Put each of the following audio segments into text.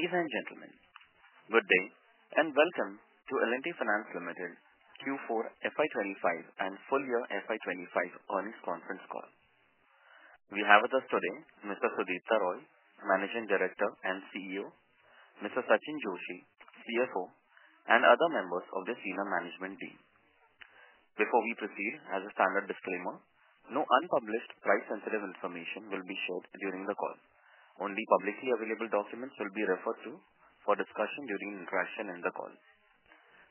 Ladies and gentlemen, good day and welcome to L&T Finance Limited Q4 FY25 and full year FY25 earnings conference call. We have with us today Mr. Sudipta Roy, Managing Director and CEO; Mr. Sachinn Joshi, CFO; and other members of the senior management team. Before we proceed, as a standard disclaimer, no unpublished price-sensitive information will be shared during the call. Only publicly available documents will be referred to for discussion during interaction in the call.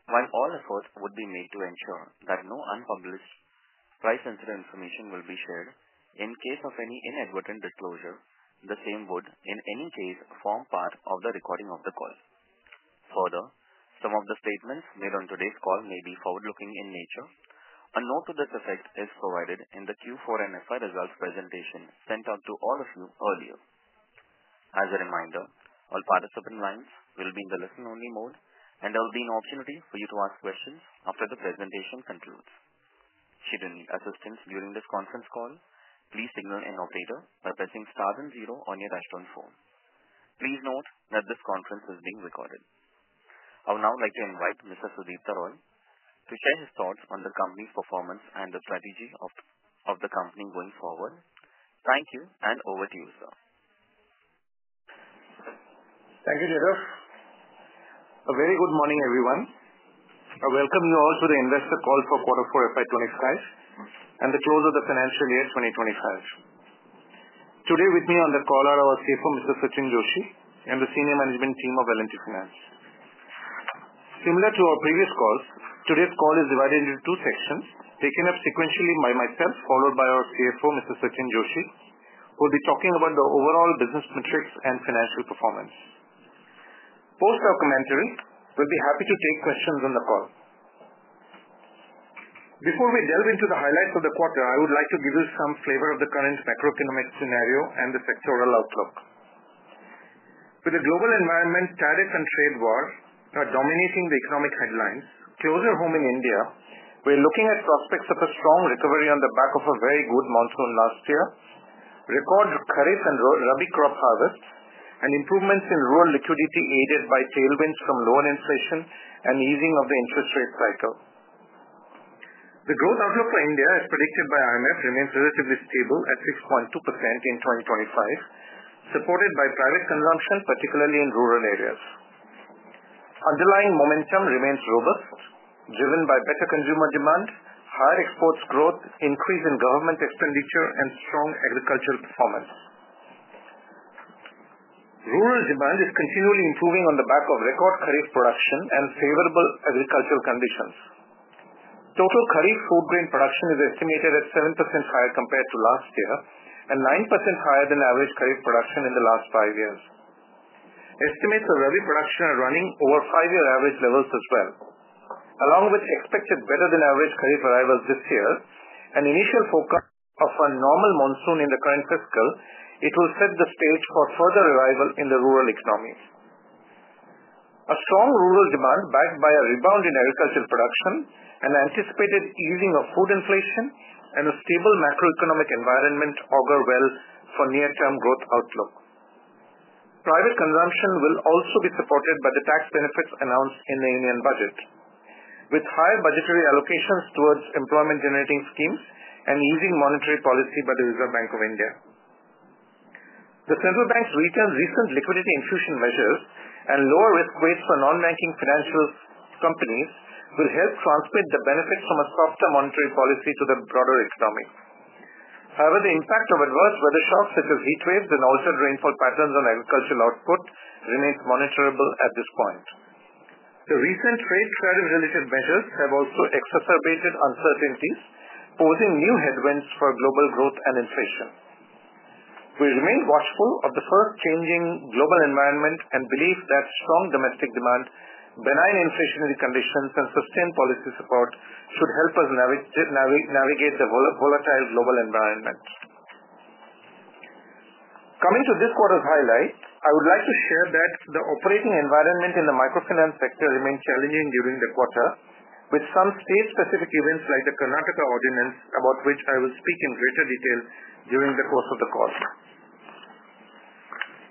While all efforts would be made to ensure that no unpublished price-sensitive information will be shared, in case of any inadvertent disclosure, the same would, in any case, form part of the recording of the call. Further, some of the statements made on today's call may be forward-looking in nature. A note to this effect is provided in the Q4 and FY resuLTF presentation sent out to all of you earlier. As a reminder, all participant lines will be in the listen-only mode, and there will be an opportunity for you to ask questions after the presentation concludes. Should you need assistance during this conference call, please signal an operator by pressing star and zero on your touch-tone phone. Please note that this conference is being recorded. I would now like to invite Mr. Sudipta Roy to share his thoughts on the company's performance and the strategy of the company going forward. Thank you, and over to you, sir. Thank you, Nidhu. A very good morning, everyone. I welcome you all to the investor call for Q4 FY25 and the close of the financial year 2025. Today, with me on the call are our CFO, Mr. Sachinn Joshi, and the senior management team of L&T Finance. Similar to our previous calls, today's call is divided into two sections, taken up sequentially by myself, followed by our CFO, Mr. Sachinn Joshi, who will be talking about the overall business metrics and financial performance. Post-documentary, we'll be happy to take questions on the call. Before we delve into the highlights of the quarter, I would like to give you some flavor of the current macroeconomic scenario and the sectoral outlook. With the global environment, tariff and credit war dominating the economic headlines, closer home in India, we're looking at prospects of a strong recovery on the back of a very good monsoon last year, record kharif and rabi crop harvests, and improvements in rural liquidity aided by tailwinds from lower inflation and easing of the interest rate cycle. The growth outlook for India, as predicted by IMF, remains relatively stable at 6.2% in 2025, supported by private consumption, particularly in rural areas. Underlying momentum remains robust, driven by better consumer demand, higher exports growth, increase in government expenditure, and strong agricultural performance. Rural demand is continually improving on the back of record kharif production and favorable agricultural conditions. Total kharif food grain production is estimated at 7% higher compared to last year and 9% higher than average kharif production in the last five years. Estimates of rubi production are running over five-year average levels as well. Along with expected better than average kharif arrivals this year and initial forecast of a normal monsoon in the current fiscal, it will set the stage for further arrival in the rural economy. A strong rural demand backed by a rebound in agricultural production, an anticipated easing of food inflation, and a stable macroeconomic environment augur well for near-term growth outlook. Private consumption will also be supported by the tax benefits announced in the Indian budget, with higher budgetary allocations towards employment-generating schemes and easing monetary policy by the Reserve Bank of India. The central bank's recent liquidity infusion measures and lower risk weights for non-banking financial companies will help transmit the benefits from a softer monetary policy to the broader economy. However, the impact of adverse weather shocks such as heat waves and altered rainfall patterns on agricultural output remains monitorable at this point. The recent credit tariff-related measures have also exacerbated uncertainties, posing new headwinds for global growth and inflation. We remain watchful of the fast-changing global environment and believe that strong domestic demand, benign inflationary conditions, and sustained policy support should help us navigate the volatile global environment. Coming to this quarter's highlight, I would like to share that the operating environment in the microfinance sector remained challenging during the quarter, with some state-specific events like the Karnataka ordinance, about which I will speak in greater detail during the course of the call.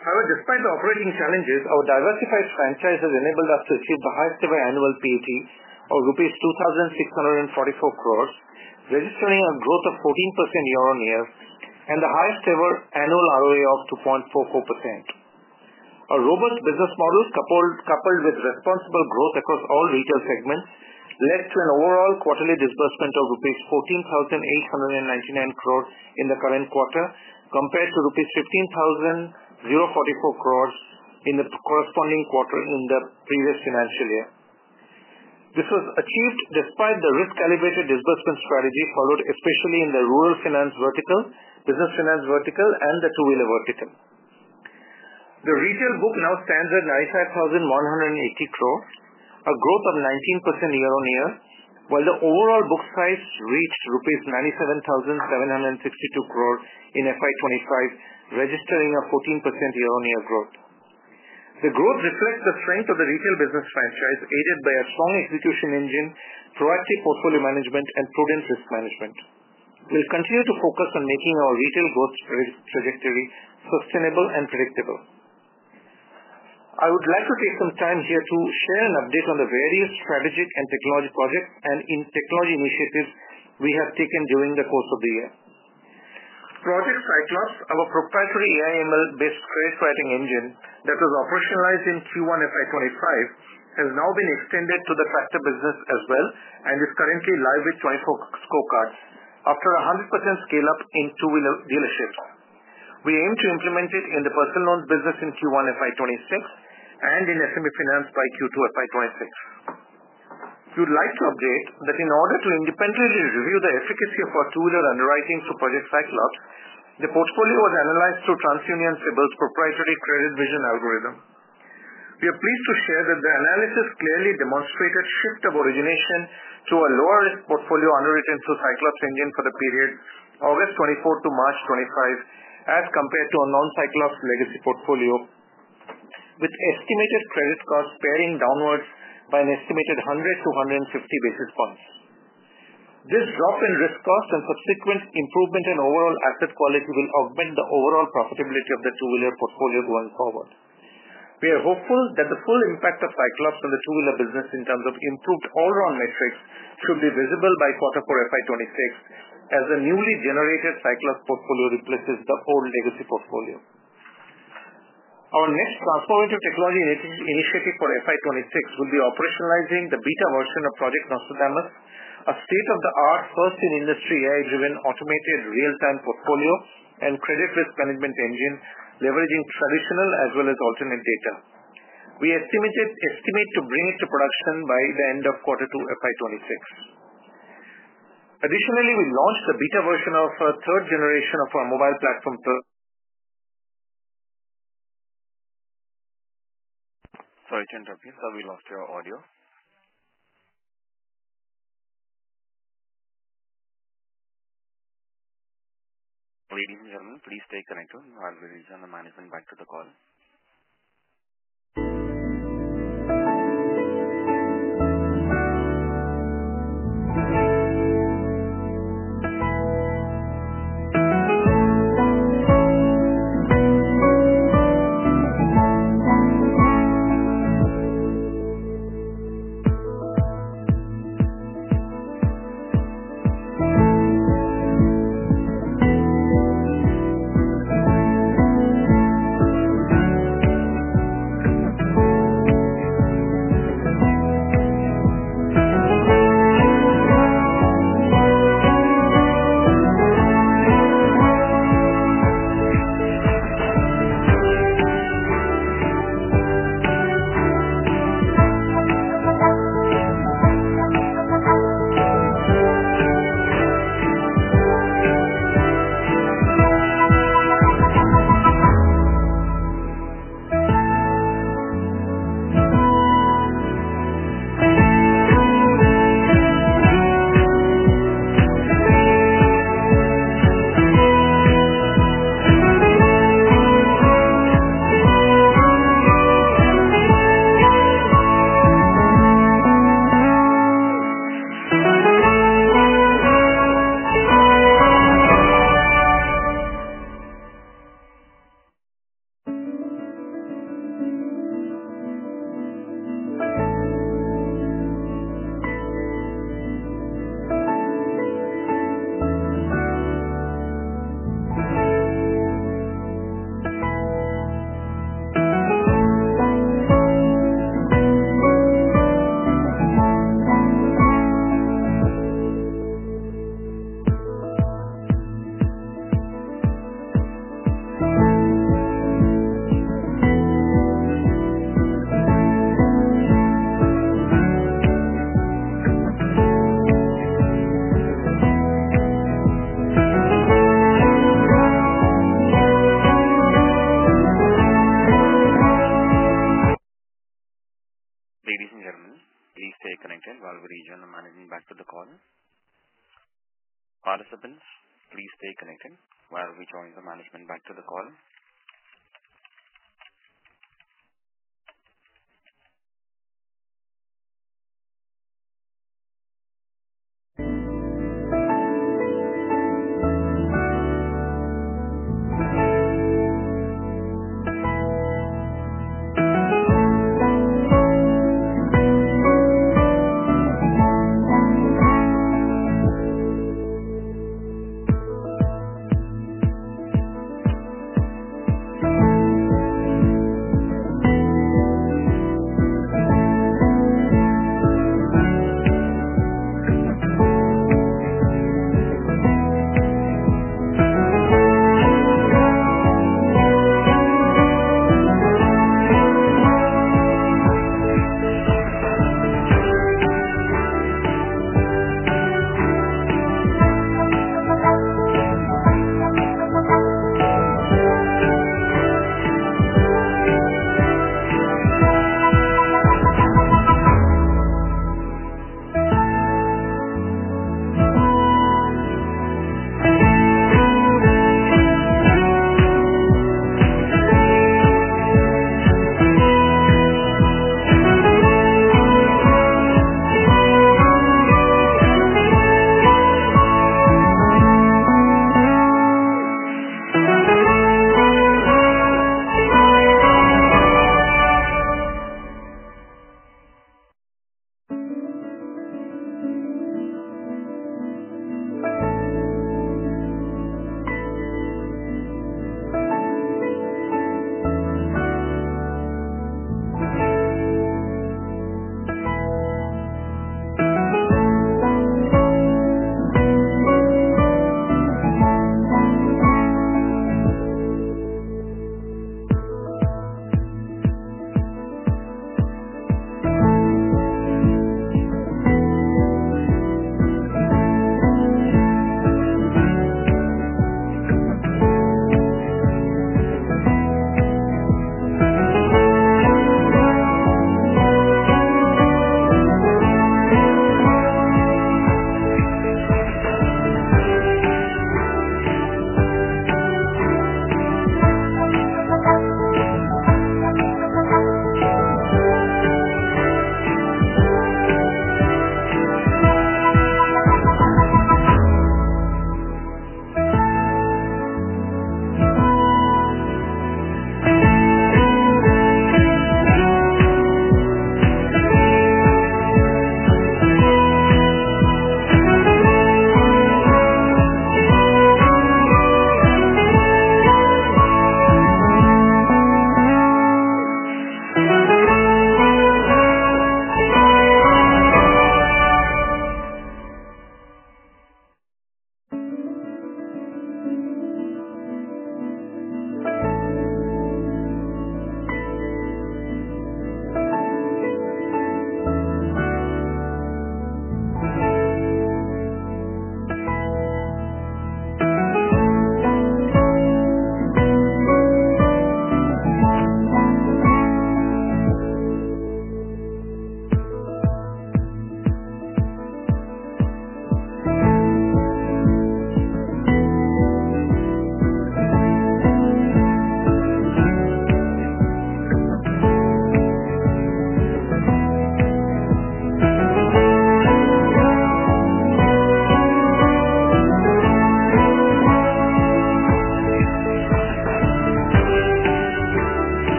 However, despite the operating challenges, our diversified franchise has enabled us to achieve the highest-ever annual PBT of rupees 2,644 crore, registering a growth of 14% year-on-year and the highest-ever annual ROA of 2.44%. A robust business model coupled with responsible growth across all retail segments led to an overall quarterly disbursement of INR 14,899 crore in the current quarter compared to INR 15,044 crore in the corresponding quarter in the previous financial year. This was achieved despite the risk-calibrated disbursement strategy followed especially in the rural finance vertical, business finance vertical, and the two-wheeler vertical. The retail book now stands at 95,180 crore, a growth of 19% year-on-year, while the overall book size reached rupees 97,762 crore in 2025, registering a 14% year-on-year growth. The growth reflects the strength of the retail business franchise, aided by a strong execution engine, proactive portfolio management, and prudent risk management. We will continue to focus on making our retail growth trajectory sustainable and predictable. I would like to take some time here to share an update on the various strategic and technology projects and technology initiatives we have taken during the course of the year. Project Cyclops, our proprietary AI/ML-based curate writing engine that was operationalized in Q1 FY2025, has now been extended to the tractor business as well and is currently live with 24 Scope cards after a 100% scale-up in two-wheeler dealerships. We aim to implement it in the personal loan business in Q1 FY2026 and in SME finance by Q2 FY2026. We would like to update that in order to independently review the efficacy of our two-wheeler underwriting for Project Cyclops, the portfolio was analyzed through TransUnion CIBIL's proprietary credit vision algorithm. We are pleased to share that the analysis clearly demonstrated a shift of origination to a lower-risk portfolio underwritten through Cyclops Engine for the period August 2024 to March 2025 as compared to a non-Cyclops legacy portfolio, with estimated credit costs paring downwards by an estimated 100-150 basis points. This drop in risk costs and subsequent improvement in overall asset quality will augment the overall profitability of the two-wheeler portfolio going forward. We are hopeful that the full impact of Cyclops on the two-wheeler business in terms of improved all-round metrics should be visible by Q4 FY2026 as the newly generated Cyclops portfolio replaces the old legacy portfolio. Our next transformative technology initiative for FY2026 will be operationalizing the beta version of Project Nostradamus, a state-of-the-art, first-in-industry AI-driven automated real-time portfolio and credit risk management engine leveraging traditional as well as alternate data. We estimate to bring it to production by the end of Q2 fy 2026. Additionally, we launched the beta version of a third generation of our mobile platform. Sorry to interrupt you, sir. We lost your audio. Ladies and gentlemen, please stay connected. I'll be rejoining the management back to the call. Ladies and gentlemen, please stay connected while we rejoin the management back to the call. Participants, please stay connected while we join the management back to the call.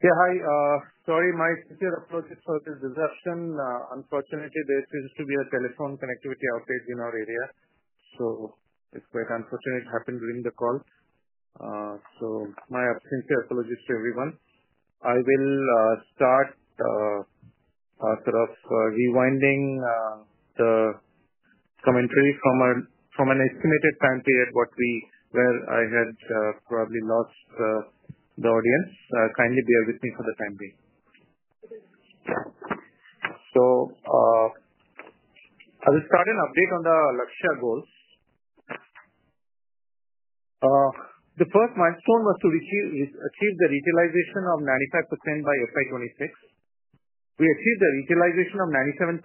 Ladies and gentlemen, we have the management line reconnected. Sir, go ahead. Yeah, hi. Sorry, my sincere apologies for the disruption. Unfortunately, there seems to be a telephone connectivity outage in our area, so it's quite unfortunate it happened during the call. My apologies to everyone. I will start sort of rewinding the commentary from an estimated time period where I had probably lost the audience. Kindly bear with me for the time being. I will start an update on the Lakhsya goals. The first milestone was to achieve the utilization of 95% by FY2026. We achieved the utilization of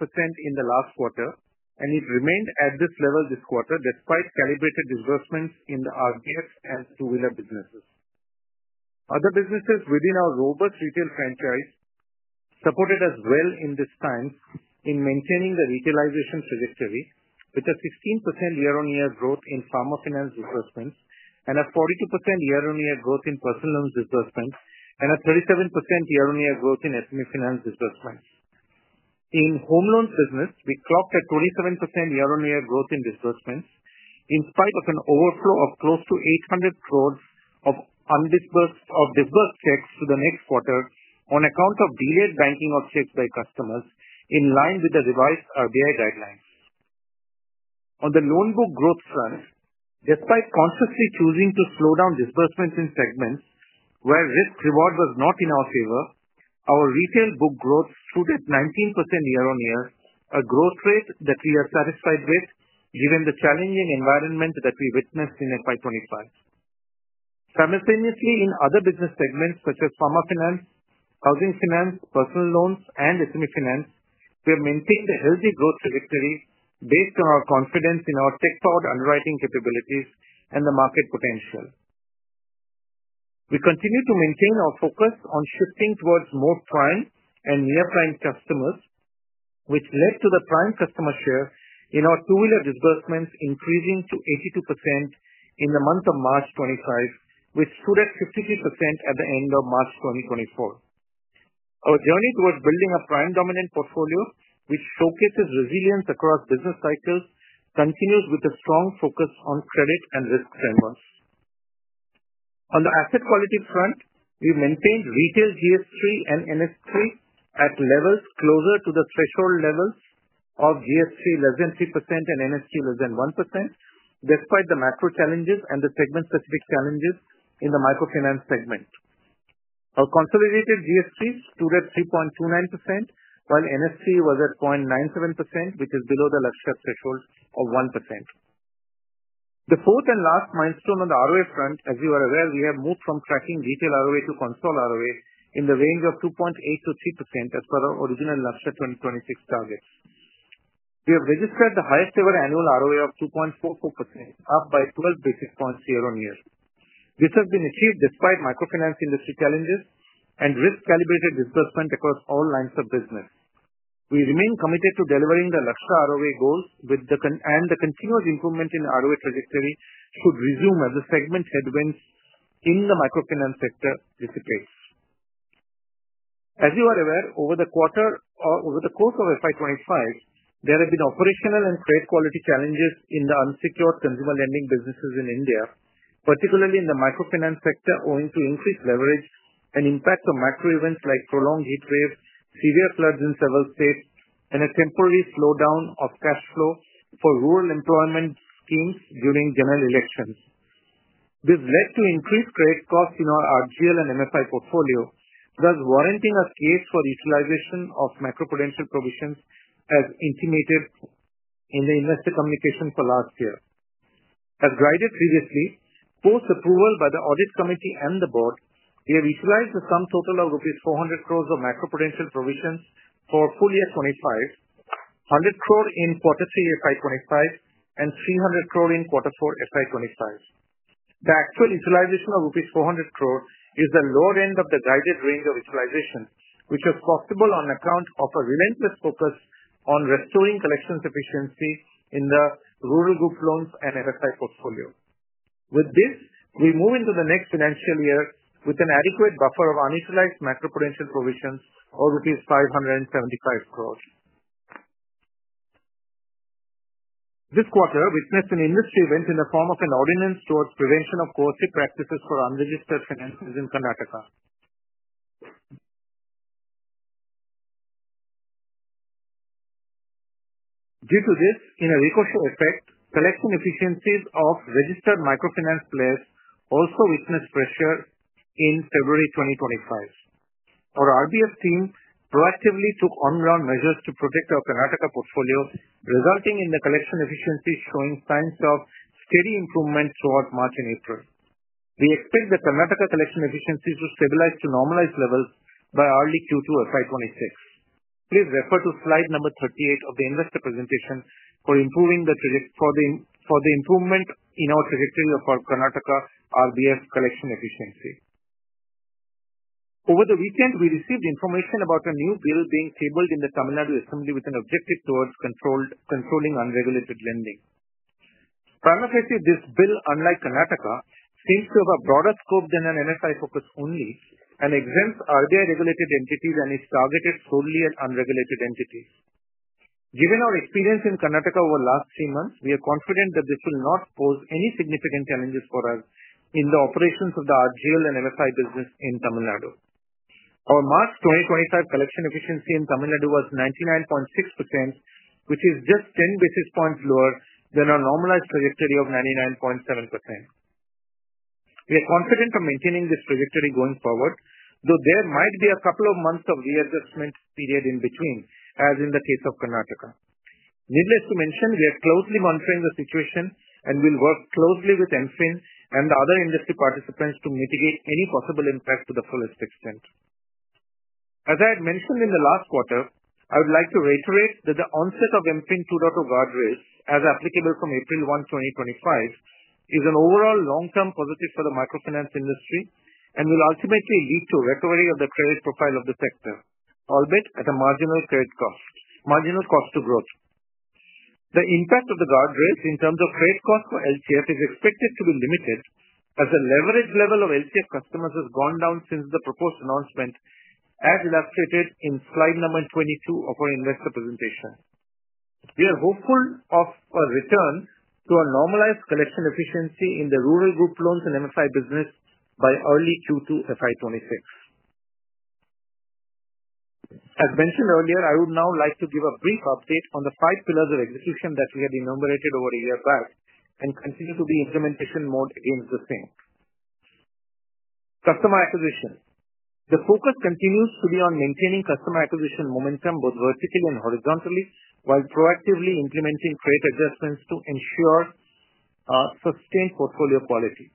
97% in the last quarter, and it remained at this level this quarter despite calibrated disbursements in the RBF and two-wheeler businesses. Other businesses within our robust retail franchise supported us well in this time in maintaining the utilization trajectory with a 16% year-on-year growth in Farm Finance disbursements and a 42% year-on-year growth in Personal Loans disbursements and a 37% year-on-year growth in SME Finance disbursements. In Home Loans business, we clocked a 27% year-on-year growth in disbursements in spite of an overflow of close to 800 crore of disbursed checks to the next quarter on account of delayed banking of checks by customers in line with the revised Reserve Bank of India guidelines. On the loan book growth front, despite consciously choosing to slow down disbursements in segments where risk-reward was not in our favor, our retail book growth stood at 19% year-on-year, a growth rate that we are satisfied with given the challenging environment that we witnessed in FY 2025. Simultaneously, in other business segments such as Farm Finance, housing finance, Personal Loans, and SME Finance, we have maintained a healthy growth trajectory based on our confidence in our tech-powered underwriting capabilities and the market potential. We continue to maintain our focus on shifting towards more prime and near-prime customers, which led to the prime customer share in our Two-Wheeler disbursements increasing to 82% in the month of March 2025, which stood at 53% at the end of March 2024. Our journey towards building a prime-dominant portfolio, which showcases resilience across business cycles, continues with a strong focus on credit and risk trends. On the asset quality front, we maintained retail GS3 and NS3 at levels closer to the threshold levels of GS3 less than 3% and NS3 less than 1% despite the macro challenges and the segment-specific challenges in the microfinance segment. Our consolidated GS3 stood at 3.29% while NS3 was at 0.97%, which is below the Lakhsya threshold of 1%. The fourth and last milestone on the ROA front, as you are aware, we have moved from tracking retail ROA to consolidated ROA in the range of 2.8%-3% as per our original Lakhsya 2026 targets. We have registered the highest-ever annual ROA of 2.44%, up by 12 basis points year-on-year. This has been achieved despite microfinance industry challenges and risk-calibrated disbursement across all lines of business. We remain committed to delivering the Lakhsya ROA goals, and the continuous improvement in ROA trajectory should resume as the segment headwinds in the microfinance sector dissipate. As you are aware, over the quarter or over the course of 2025, there have been operational and credit-quality challenges in the unsecured consumer lending businesses in India, particularly in the microfinance sector owing to increased leverage and impact of macro events like prolonged heat waves, severe floods in several states, and a temporary slowdown of cash flow for rural employment schemes during general elections. This led to increased credit costs in our RGL and MFI portfolio, thus warranting a case for utilization of macro-potential provisions as intimated in the investor communication for last year. As guided previously, post-approval by the audit committee and the board, we have utilized a sum total of rupees 400 crore of macro-potential provisions for full year 2025, 100 crore in Q3 2025, and 300 crore in Q4 2025. The actual utilization of rupees 400 crore is the lower end of the guided range of utilization, which was possible on account of a relentless focus on restoring collection efficiency in the rural group loans and MFI portfolio. With this, we move into the next financial year with an adequate buffer of unutilized macro-potential provisions of INR 575 crore. This quarter witnessed an industry event in the form of an ordinance towards prevention of coercive practices for unregistered financiers in Karnataka. Due to this, in a recousal effect, collection efficiencies of registered microfinance players also witnessed pressure in February 2025. Our RBF team proactively took on-ground measures to protect our Karnataka portfolio, resulting in the collection efficiencies showing signs of steady improvement throughout March and April. We expect the Karnataka collection efficiencies to stabilize to normalized levels by early Q2 FY26. Please refer to slide number 38 of the investor presentation for the improvement in our trajectory of our Karnataka RBF collection efficiency. Over the weekend, we received information about a new bill being tabled in the Tamil Nadu Assembly with an objective towards controlling unregulated lending. Primary case, this bill, unlike Karnataka, seems to have a broader scope than an MFI focus only and exempts RBI-regulated entities and is targeted solely at unregulated entities. Given our experience in Karnataka over the last three months, we are confident that this will not pose any significant challenges for us in the operations of the RGL and MFI business in Tamil Nadu. Our March 2025 collection efficiency in Tamil Nadu was 99.6%, which is just 10 basis points lower than our normalized trajectory of 99.7%. We are confident of maintaining this trajectory going forward, though there might be a couple of months of readjustment period in between, as in the case of Karnataka. Needless to mention, we are closely monitoring the situation and will work closely with MFIN and the other industry participants to mitigate any possible impact to the fullest extent. As I had mentioned in the last quarter, I would like to reiterate that the onset of MFIN 2.0 guardrails, as applicable from 1 April 2025, is an overall long-term positive for the microfinance industry and will ultimately lead to a recovery of the credit profile of the sector, albeit at a marginal credit cost to growth. The impact of the guardrails in terms of credit cost for L&T Finance is expected to be limited as the leverage level of L&T Finance customers has gone down since the proposed announcement, as illustrated in slide number 22 of our investor presentation. We are hopeful of a return to our normalized collection efficiency in the rural group loans and MFI business by early Q2 FY2026. As mentioned earlier, I would now like to give a brief update on the five pillars of execution that we had enumerated over a year back and continue to be in implementation mode against the same. Customer acquisition. The focus continues to be on maintaining customer acquisition momentum both vertically and horizontally while proactively implementing credit adjustments to ensure sustained portfolio quality.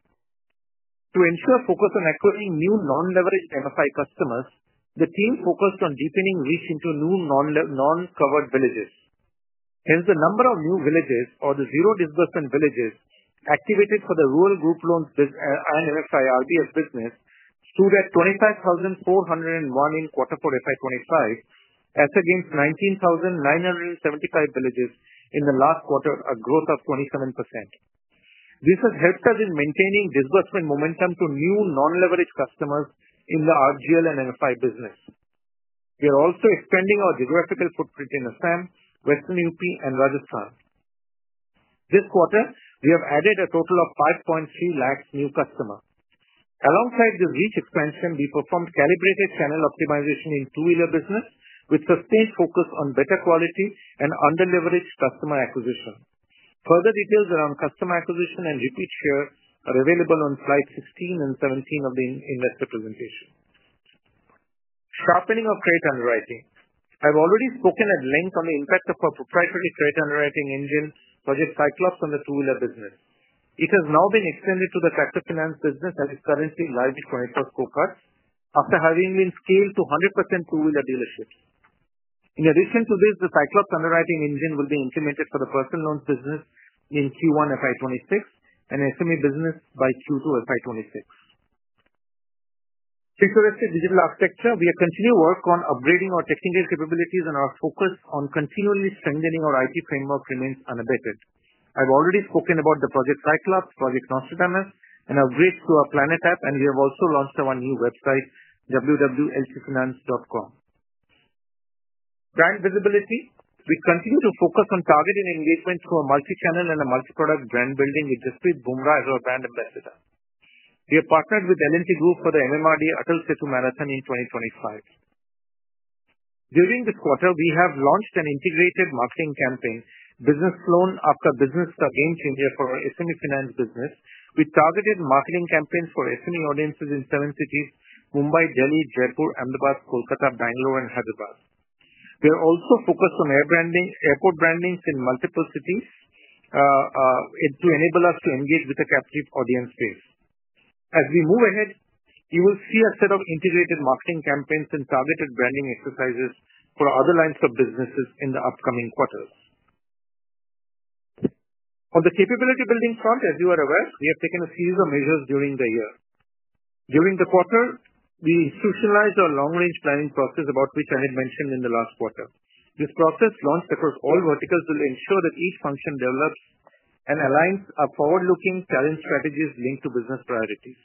To ensure focus on acquiring new non-leveraged MFI customers, the team focused on deepening reach into new non-covered villages. Hence, the number of new villages or the zero disbursement villages activated for the rural group loans and MFI RBF business stood at 25,401 in Q4 FY25, as against 19,975 villages in the last quarter, a growth of 27%. This has helped us in maintaining disbursement momentum to new non-leveraged customers in the RGL and MFI business. We are also expanding our geographical footprint in Assam, Western Uttar Pradesh, and Rajasthan. This quarter, we have added a total of 530,000 new customers. Alongside this reach expansion, we performed calibrated channel optimization in two-wheeler business with sustained focus on better quality and under-leveraged customer acquisition. Further details around customer acquisition and repeat share are available on slide 16 and 17 of the investor presentation. Sharpening of credit underwriting. I've already spoken at length on the impact of our proprietary credit underwriting engine Project Cyclops on the two-wheeler business. It has now been extended to the tractor finance business as it currently lies in 21st cohort after having been scaled to 100% two-wheeler dealerships. In addition to this, the Cyclops underwriting engine will be implemented for the personal loans business in Q1 FY2026 and SME business by Q2 FY2026. Futuristic digital architecture. We have continued work on upgrading our technical capabilities, and our focus on continually strengthening our IT framework remains unabated. I've already spoken about the Project Cyclops, Project Nostradamus, and upgrades to our Planet app, and we have also launched our new website, www.ltfinance.com. Brand visibility. We continue to focus on targeted engagement through a multi-channel and a multi-product brand building with Jaspreet Bumrah as our brand ambassador. We have partnered with L&T Group for the MMRD Atal Setu Marathon in 2025. During this quarter, we have launched an integrated marketing campaign, Business Loan after Business. A game changer for our SME Finance business. We targeted marketing campaigns for SME audiences in seven cities: Mumbai, Delhi, Jaipur, Ahmedabad, Kolkata, Bangalore, and Hyderabad. We are also focused on airport brandings in multiple cities to enable us to engage with a captive audience base. As we move ahead, you will see a set of integrated marketing campaigns and targeted branding exercises for other lines of businesses in the upcoming quarters. On the capability building front, as you are aware, we have taken a series of measures during the year. During the quarter, we institutionalized our long-range planning process, about which I had mentioned in the last quarter. This process, launched across all verticals, will ensure that each function develops and aligns our forward-looking challenge strategies linked to business priorities.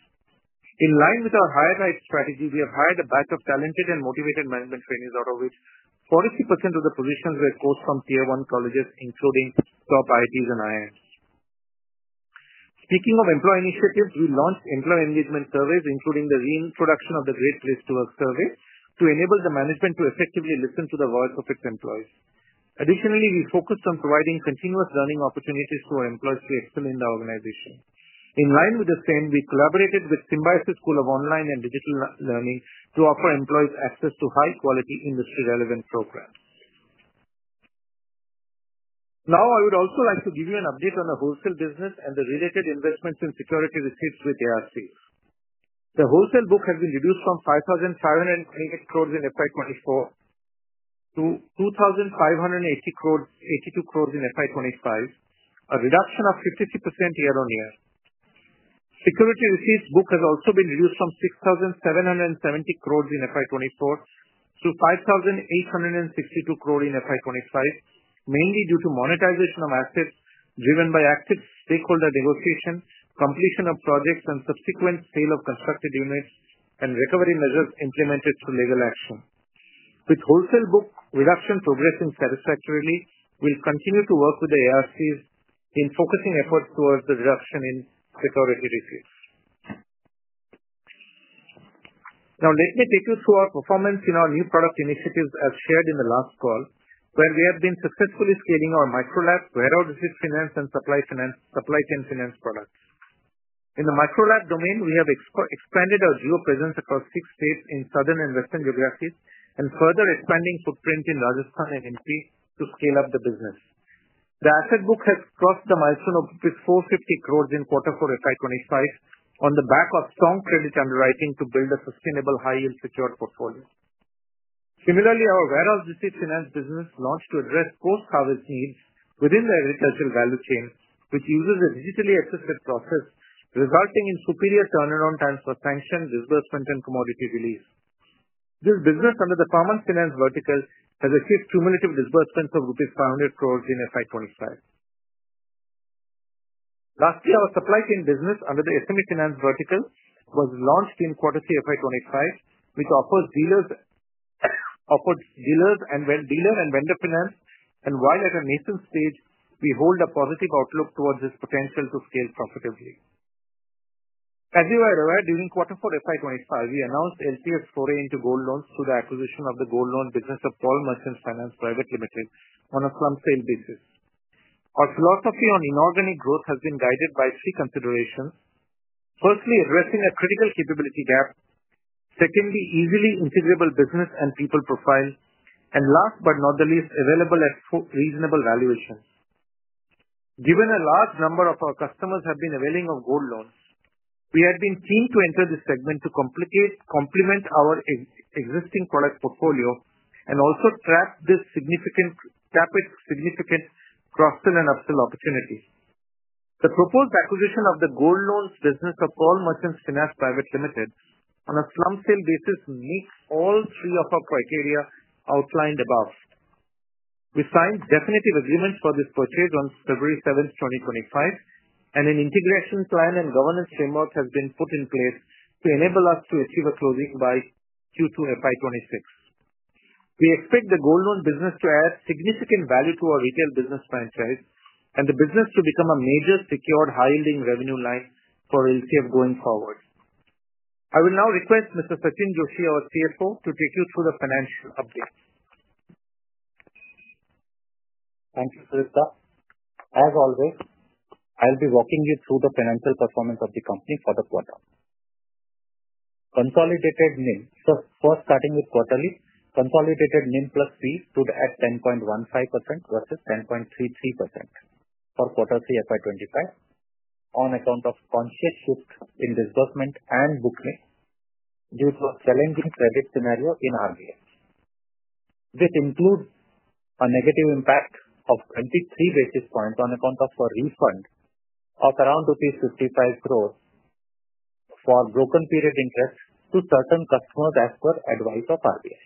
In line with our higher-type strategy, we have hired a batch of talented and motivated management trainees, out of which 40% of the positions were sourced from tier-one colleges, including top IITs and IIMs. Speaking of employee initiatives, we launched employee engagement surveys, including the reintroduction of the Great Place to Work survey, to enable the management to effectively listen to the voice of its employees. Additionally, we focused on providing continuous learning opportunities to our employees to excel in the organization. In line with the same, we collaborated with Symbiosis School of Online and Digital Learning to offer employees access to high-quality industry-relevant programs. Now, I would also like to give you an update on the wholesale business and the related investments and security receipts with Asset Reconstruction Companies. The wholesale book has been reduced from 5,528 crore in FY2024 to 2,582 crore in FY2025, a reduction of 53% year-on-year. Security receipts book has also been reduced from 6,770 crore in FY 2024 to 5,862 crore in FY 2025, mainly due to monetization of assets driven by active stakeholder negotiation, completion of projects, and subsequent sale of constructed units and recovery measures implemented through legal action. With wholesale book reduction progressing satisfactorily, we'll continue to work with the ARCs in focusing efforts towards the reduction in security receipts. Now, let me take you through our performance in our new product initiatives, as shared in the last call, where we have been successfully scaling our MicroLab, Warehouse Digital Finance, and Supply Chain Finance products. In the MicroLab domain, we have expanded our geo presence across six states in southern and western geographies and further expanding footprint in Rajasthan and Madhya Pradesh to scale up the business. The asset book has crossed the milestone of 450 crore in Q4 2025 on the back of strong credit underwriting to build a sustainable high-yield secured portfolio. Similarly, our Warehouse Digital Finance business launched to address post-harvest needs within the agricultural value chain, which uses a digitally accessed process, resulting in superior turnaround times for sanction, disbursement, and commodity release. This business under the common finance vertical has achieved cumulative disbursements of rupees 500 crore in 2025. Last year, our supply chain business under the SME Finance vertical was launched in Q3 2025, which offered dealer and vendor finance, and while at a nascent stage, we hold a positive outlook towards this potential to scale profitably. As you are aware, during Q4 FY25, we announced L&T Finance's foray into gold loans through the acquisition of the gold loan business of Paul Merchants Finance Private Limited on a slump sale basis. Our philosophy on inorganic growth has been guided by three considerations. Firstly, addressing a critical capability gap. Secondly, easily integrable business and people profile. And last but not the least, available at reasonable valuation. Given a large number of our customers have been availing of gold loans, we had been keen to enter this segment to complement our existing product portfolio and also tap its significant cross-sale and upsell opportunities. The proposed acquisition of the gold loans business of Paul Merchants Finance Private Limited on a slump sale basis meets all three of our criteria outlined above. We signed definitive agreements for this purchase on 7 February 2025, and an integration plan and governance framework has been put in place to enable us to achieve a closing by Q2 FY26. We expect the gold loan business to add significant value to our retail business franchise and the business to become a major secured high-yielding revenue line for L&T Finance going forward. I will now request Mr. Sachinn Joshi, our CFO, to take you through the financial update. Thank you, Sridhar. As always, I'll be walking you through the financial performance of the company for the quarter. First, starting with quarterly, consolidated NIM plus fees stood at 10.15% versus 10.33% for Q3 FY25 on account of conscious shift in disbursement and bookmaking due to a challenging credit scenario in RBF. This includes a negative impact of 23 basis points on account of a refund of around rupees 550,000,000 for broken period interest to certain customers as per advice of RBF.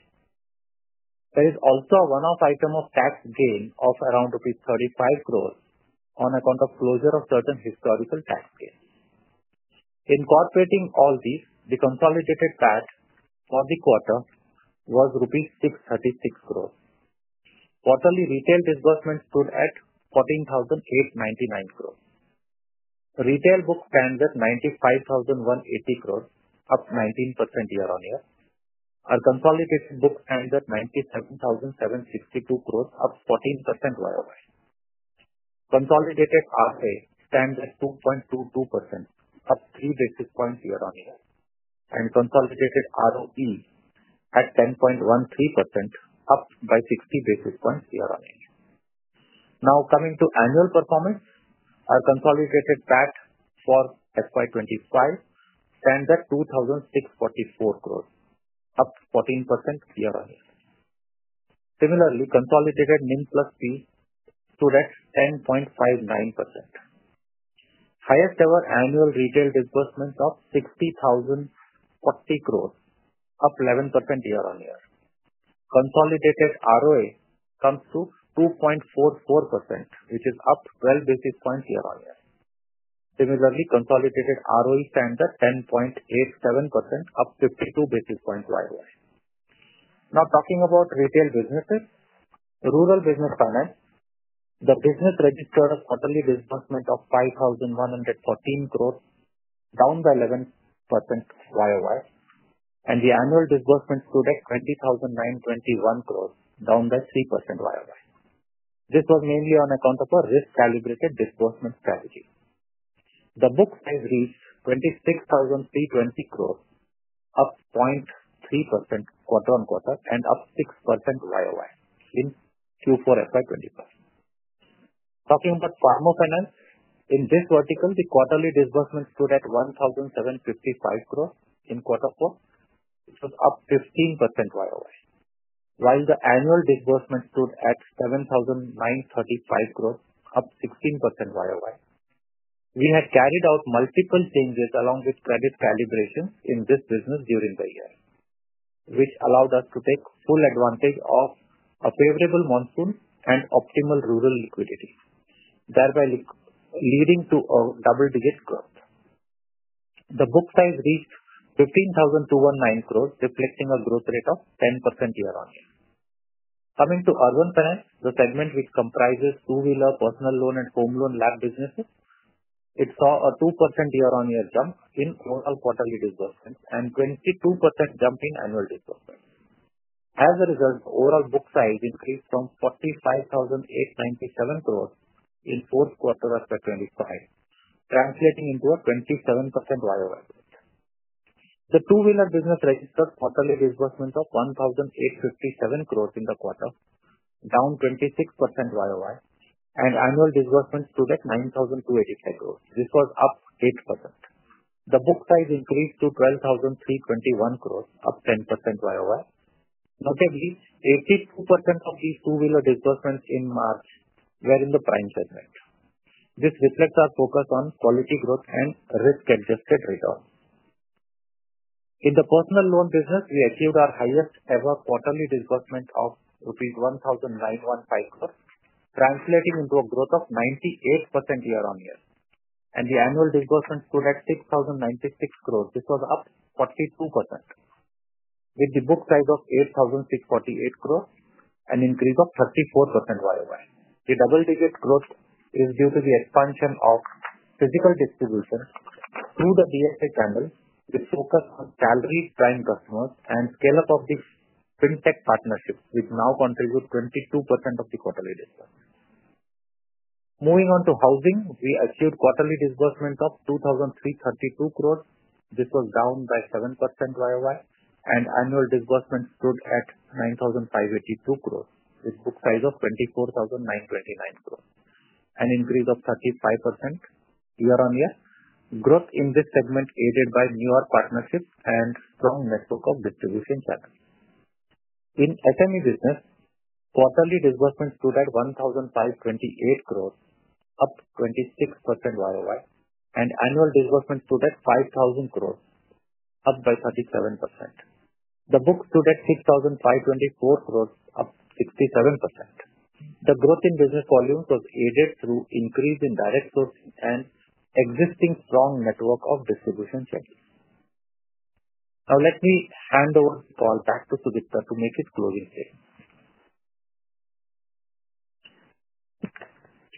There is also a one-off item of tax gain of around rupees 350,000,000 on account of closure of certain historical tax gains. Incorporating all these, the consolidated PAT for the quarter was rupees 6,360,000,000. Quarterly retail disbursement stood at 14,899,000,000. Retail book stands at 95,180,000,000, up 19% year-on-year. Our consolidated book stands at 97,762,000,000, up 14% year-on-year. Consolidated ROA stands at 2.22%, up 3 basis points year-on-year, and consolidated ROE at 10.13%, up by 60 basis points year-on-year. Now, coming to annual performance, our consolidated PAT for FY2025 stands at 26,440,000,000, up 14% year-on-year. Similarly, consolidated NIM plus fee stood at 10.59%. Highest-ever annual retail disbursement of 60,040,000,000, up 11% year-on-year. Consolidated ROA comes to 2.44%, which is up 12 basis points year-on-year. Similarly, consolidated ROE stands at 10.87%, up 52 basis points year-on-year. Now, talking about retail businesses, rural business finance, the business registered a quarterly disbursement of 5,114 crore, down by 11% year-on-year, and the annual disbursement stood at 20,921 crore, down by 3% year-on-year. This was mainly on account of a risk-calibrated disbursement strategy. The book size reached 26,320 crore, up 0.3% quarter-on-quarter and up 6% year-on-year in Q4 FY2025. Talking about Farm Finance, in this vertical, the quarterly disbursement stood at 1,755 crore in Q4, which was up 15% year-on-year, while the annual disbursement stood at 7,935 crore, up 16% year-on-year. We had carried out multiple changes along with credit calibrations in this business during the year, which allowed us to take full advantage of a favorable monsoon and optimal rural liquidity, thereby leading to a double-digit growth. The book size reached 15,219 crore, reflecting a growth rate of 10% year-on-year. Coming to urban finance, the segment, which comprises two-wheeler, personal loan, and home loan lab businesses, saw a 2% year-on-year jump in overall quarterly disbursement and 22% jump in annual disbursement. As a result, overall book size increased to 45,897 crore in the fourth quarter of 2025, translating into a 27% year-on-year growth. The two-wheeler business registered quarterly disbursement of 1,857 crore in the quarter, down 26% year-on-year, and annual disbursement stood at 9,285 crore. This was up 8%. The book size increased to 12,321 crore, up 10% year-on-year. Notably, 82% of these two-wheeler disbursements in March were in the prime segment. This reflects our focus on quality growth and risk-adjusted return. In the personal loan business, we achieved our highest-ever quarterly disbursement of rupees 1,915 crore, translating into a growth of 98% year-on-year, and the annual disbursement stood at 6,096 crore. This was up 42%, with the book size of 8,648 crore, an increase of 34% year-on-year. The double-digit growth is due to the expansion of physical distribution through the DSA channel, which focused on salaried prime customers, and scale-up of the FinTech partnerships, which now contribute 22% of the quarterly disbursement. Moving on to housing, we achieved quarterly disbursement of 2,332 crore. This was down by 7% year-on-year, and annual disbursement stood at 9,582 crore, with book size of 24,929 crore, an increase of 35% year-on-year. Growth in this segment aided by new partnerships and a strong network of distribution channels. In SME business, quarterly disbursement stood at INR 1,528 crore, up 26% year-on-year, and annual disbursement stood at INR 5,000 crore, up by 37%. The book stood at INR 6,524 crore, up 67%. The growth in business volumes was aided through an increase in direct source and existing strong network of distribution channels. Now, let me hand over the call back to Sridhara to make his closing statement.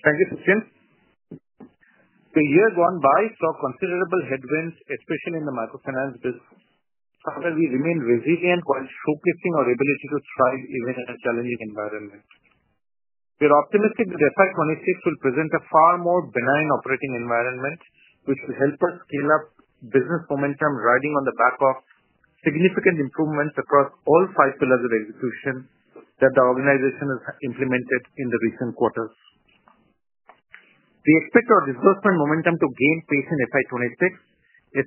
Thank you, Sachinn. The year gone by saw considerable headwinds, especially in the microfinance business, however, we remained resilient while showcasing our ability to thrive even in a challenging environment. We are optimistic that FY 2026 will present a far more benign operating environment, which will help us scale up business momentum riding on the back of significant improvements across all five pillars of execution that the organization has implemented in the recent quarters. We expect our disbursement momentum to gain pace in FY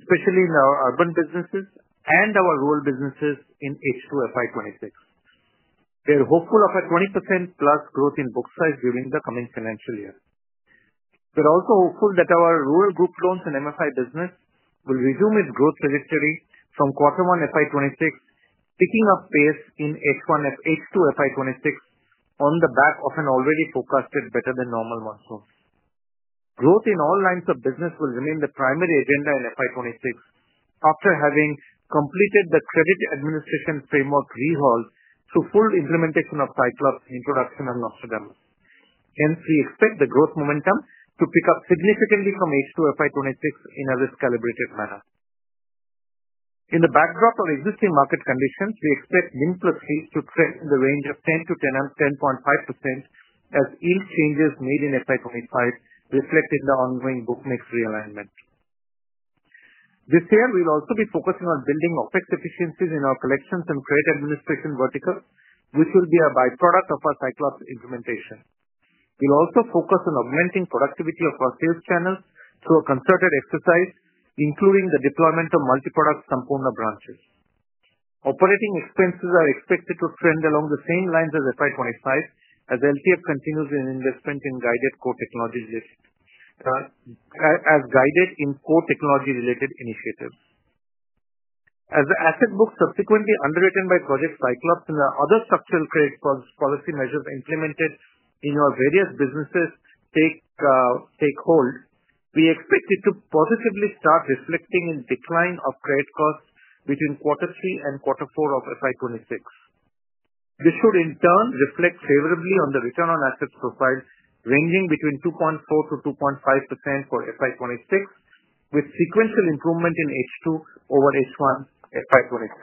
2026, especially in our urban businesses and our rural businesses in H2 FY 2026. We are hopeful of a 20%+ growth in book size during the coming financial year. We are also hopeful that our rural group loans and MFI business will resume its growth trajectory from quarter one FY 2026, picking up pace in H2 FY 2026 on the back of an already forecasted better-than-normal monsoon. Growth in all lines of business will remain the primary agenda in FY 2026 after having completed the credit administration framework rehaul through full implementation of Cyclops introduction on Nostradamus. Hence, we expect the growth momentum to pick up significantly from H2 FY2026 in a risk-calibrated manner. In the backdrop of existing market conditions, we expect NIM plus fees to trend in the range of 10%-10.5% as yield changes made in FY2025 reflect in the ongoing bookmix realignment. This year, we will also be focusing on building OPEX efficiencies in our collections and credit administration vertical, which will be a byproduct of our Cyclops implementation. We will also focus on augmenting productivity of our sales channels through a concerted exercise, including the deployment of multi-product Sampoona branches. Operating expenses are expected to trend along the same lines as FY2025 as L&T Finance continues in investment in guided core technology-related initiatives. As the asset book subsequently underwritten by Project Cyclops and the other structural credit policy measures implemented in our various businesses take hold, we expect it to positively start reflecting in decline of credit costs between Q3 and Q4 of FY2026. This should, in turn, reflect favorably on the return on assets profile ranging between 2.4%-2.5% for FY2026, with sequential improvement in H2 over H1 FY2026.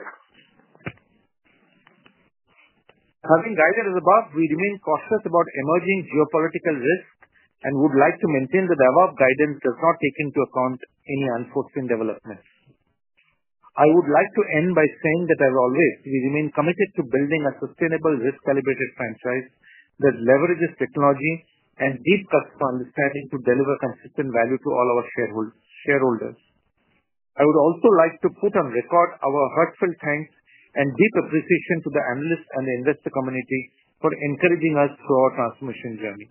Having guided as above, we remain cautious about emerging geopolitical risks and would like to maintain that the above guidance does not take into account any unforeseen developments. I would like to end by saying that, as always, we remain committed to building a sustainable risk-calibrated franchise that leverages technology and deep customer understanding to deliver consistent value to all our shareholders. I would also like to put on record our heartfelt thanks and deep appreciation to the analysts and the investor community for encouraging us through our transformation journey.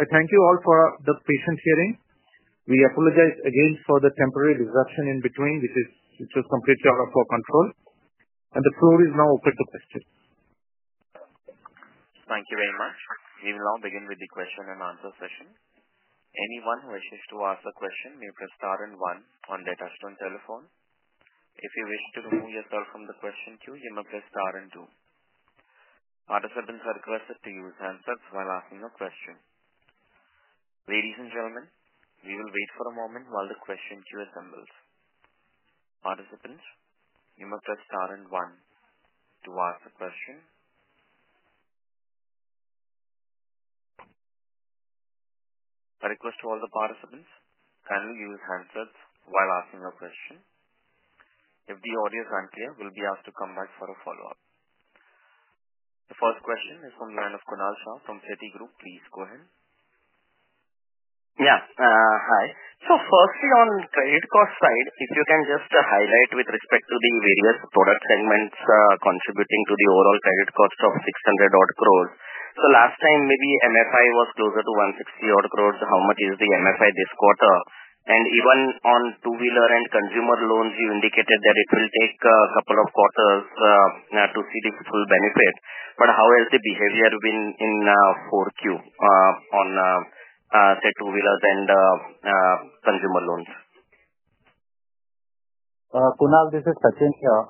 I thank you all for the patient hearing. We apologize again for the temporary disruption in between, which was completely out of our control. The floor is now open to questions. Thank you very much. We will now begin with the question-and-answer session. Anyone who wishes to ask a question may press star and one on their touchstone telephone. If you wish to remove yourself from the question queue, you may press star and two. Participants are requested to use handsets while asking a question. Ladies and gentlemen, we will wait for a moment while the question queue assembles. Participants, you may press star and one to ask a question. A request to all the participants: kindly use handsets while asking a question. If the audio is unclear, we will be asked to come back for a follow-up. The first question is from the line of Kunal Shah from Ceti Group. Please go ahead. Yeah, hi. Firstly, on credit cost side, if you can just highlight with respect to the various product segments contributing to the overall credit cost of 600 crore. Last time, maybe MFI was closer to 160 crore. How much is the MFI this quarter? Even on two-wheeler and consumer loans, you indicated that it will take a couple of quarters to see the full benefit. How has the behavior been in Q4 on, say, two-wheelers and consumer loans? Kunal, this is Sachinn here.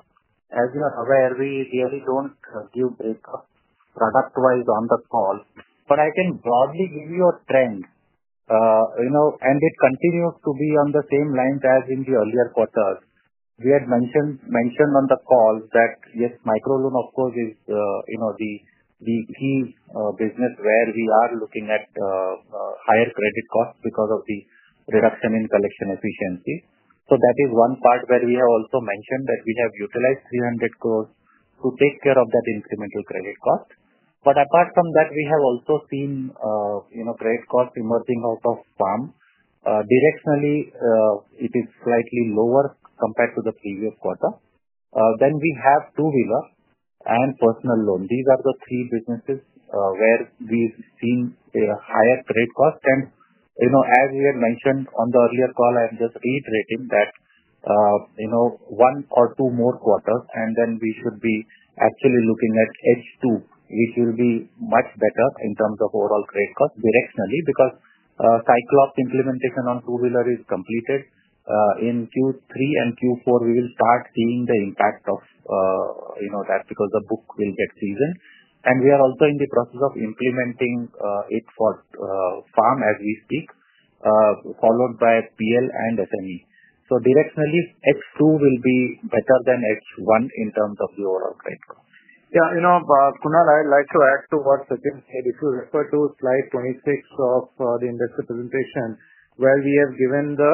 As you are aware, we really do not give breakup product-wise on the call. I can broadly give you a trend, and it continues to be on the same lines as in the earlier quarters. We had mentioned on the call that, yes, microloan, of course, is the key business where we are looking at higher credit costs because of the reduction in collection efficiency. That is one part where we have also mentioned that we have utilized 300 crore to take care of that incremental credit cost. Apart from that, we have also seen credit costs emerging out of farm. Directionally, it is slightly lower compared to the previous quarter. We have two-wheeler and personal loan. These are the three businesses where we've seen a higher credit cost. As we had mentioned on the earlier call, I am just reiterating that one or two more quarters, and then we should be actually looking at H2, which will be much better in terms of overall credit costs directionally because Cyclops implementation on two-wheeler is completed. In Q3 and Q4, we will start seeing the impact of that because the book will get seasoned. We are also in the process of implementing it for farm as we speak, followed by PL and SME. Directionally, H2 will be better than H1 in terms of the overall credit costs. Yeah, Kunal, I'd like to add to what Sachinn said. If you refer to slide 26 of the index representation, where we have given the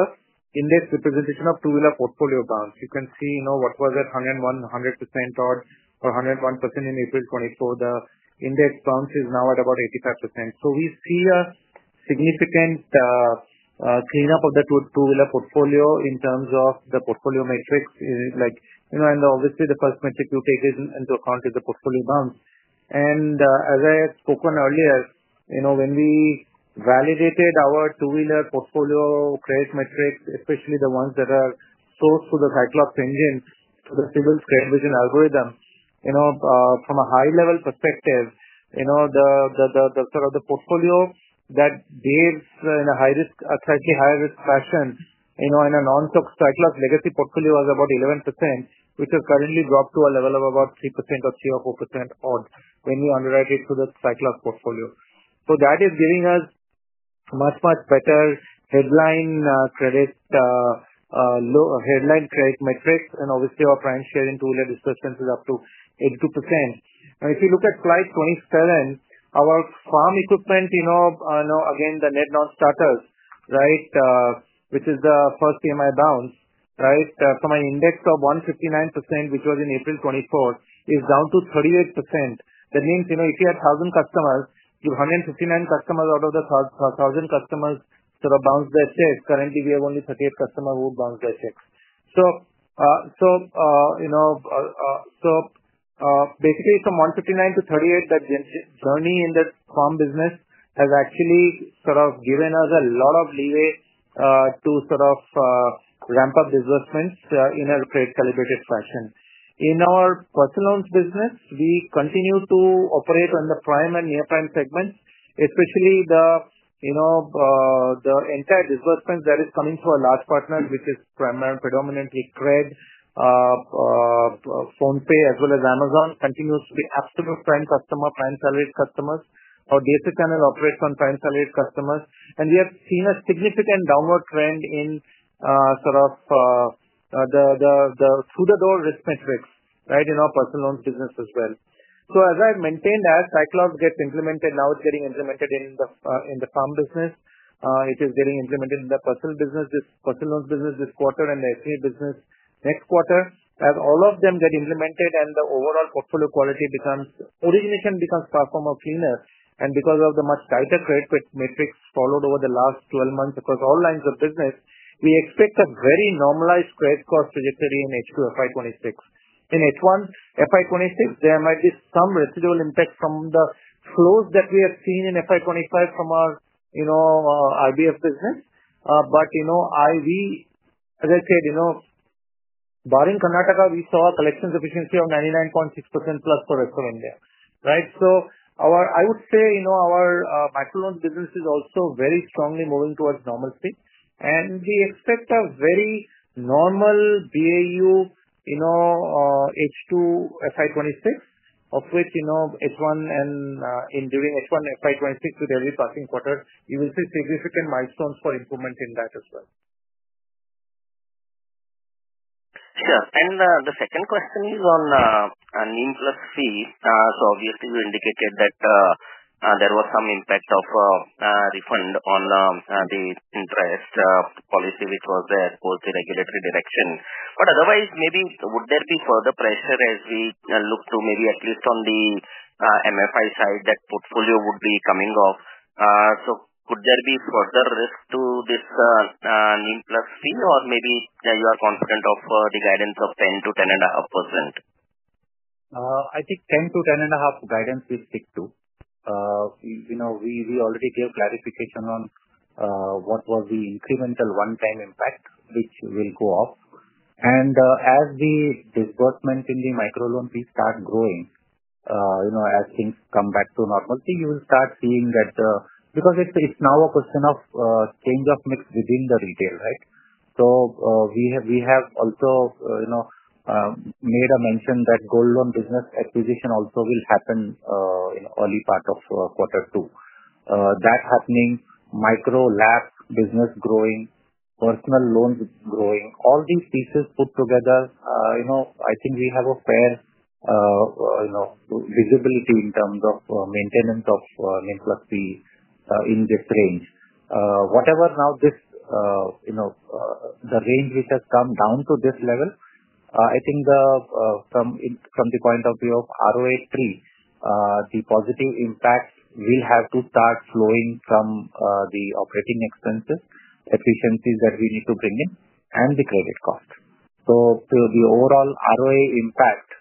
index representation of two-wheeler portfolio bounce, you can see what was at 101% or 101% in April 2024, the index bounce is now at about 85%. We see a significant cleanup of the two-wheeler portfolio in terms of the portfolio metrics. Obviously, the first metric you take into account is the portfolio bounce. As I had spoken earlier, when we validated our two-wheeler portfolio credit metrics, especially the ones that are sourced through the Cyclops engine for the CIBIL credit vision algorithm, from a high-level perspective, the sort of the portfolio that behaves in a high-risk, slightly higher-risk fashion in a non-Cyclops legacy portfolio was about 11%, which has currently dropped to a level of about 3% or 3 or 4% odd when we underwrite it through the Cyclops portfolio. That is giving us much, much better headline credit metrics. Obviously, our prime share in two-wheeler disbursements is up to 82%. If you look at slide 27, our farm equipment, again, the net non-starters, right, which is the first PMI bounce, right, from an index of 159%, which was in April 2024, is down to 38%. That means if you had 1,000 customers, you have 159 customers out of the 1,000 customers sort of bounce their checks. Currently, we have only 38 customers who bounce their checks. Basically, from 159 to 38, that journey in the farm business has actually sort of given us a lot of leeway to sort of ramp up disbursements in a credit-calibrated fashion. In our personal loans business, we continue to operate on the prime and near-prime segments, especially the entire disbursements that are coming through our large partners, which is predominantly Cred, PhonePe, as well as Amazon, continues to be absolute prime customer, prime salaried customers. Our data channel operates on prime salaried customers. We have seen a significant downward trend in sort of the through-the-door risk metrics, right, in our personal loans business as well. As I maintained, as Cyclops gets implemented, now it's getting implemented in the farm business. It is getting implemented in the personal business, personal loans business this quarter, and the SME business next quarter. As all of them get implemented and the overall portfolio quality becomes origination becomes far from a cleaner. Because of the much tighter credit metrics followed over the last 12 months across all lines of business, we expect a very normalized credit cost trajectory in H2 FY2026. In H1 FY2026, there might be some residual impact from the flows that we have seen in FY2025 from our RBF business. As I said, barring Karnataka, we saw a collections efficiency of 99.6% plus for rest of India, right? I would say our microloan business is also very strongly moving towards normalcy. We expect a very normal BAU H2 FY2026, of which H1 and during H1 FY2026, with every passing quarter, you will see significant milestones for improvement in that as well. Sure. The second question is on NIM plus fee. Obviously, you indicated that there was some impact of refund on the interest policy, which was there towards the regulatory direction. Otherwise, maybe would there be further pressure as we look to maybe at least on the MFI side that portfolio would be coming off? Could there be further risk to this NIM plus fee, or maybe you are confident of the guidance of 10-10.5%? I think 10-10.5% guidance we stick to. We already gave clarification on what was the incremental one-time impact, which will go up. As the disbursement in the microloan fee starts growing, as things come back to normality, you will start seeing that because it is now a question of change of mix within the retail, right? We have also made a mention that gold loan business acquisition also will happen in the early part of Q2. That happening, MicroLab business growing, Personal Loans growing, all these pieces put together, I think we have a fair visibility in terms of maintenance of NIM plus fee in this range. Whatever now the range which has come down to this level, I think from the point of view of ROA three, the positive impact will have to start flowing from the operating expenses, efficiencies that we need to bring in, and the credit cost. The overall ROA impact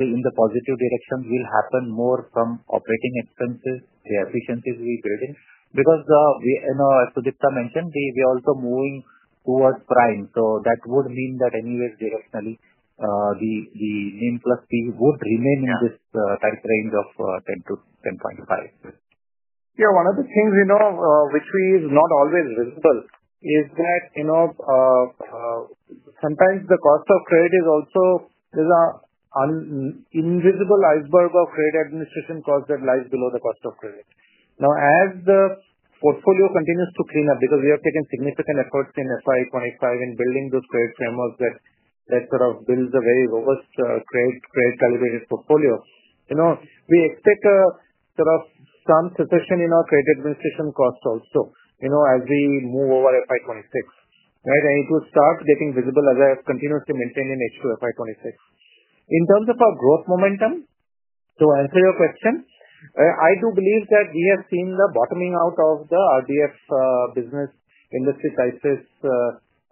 in the positive direction will happen more from operating expenses, the efficiencies we're building. Because as Sudipta mentioned, we are also moving towards prime. That would mean that anyway, directionally, the NIM plus fee would remain in this tight range of 10-10.5. Yeah. One of the things which is not always visible is that sometimes the cost of credit is also there's an invisible iceberg of credit administration costs that lies below the cost of credit. Now, as the portfolio continues to clean up, because we have taken significant efforts in FY 2025 in building those credit frameworks that sort of builds a very robust credit-calibrated portfolio, we expect sort of some succession in our credit administration costs also as we move over FY 2026, right? It will start getting visible as I have continuously maintained in H2 FY 2026. In terms of our growth momentum, to answer your question, I do believe that we have seen the bottoming out of the RBF business industry crisis.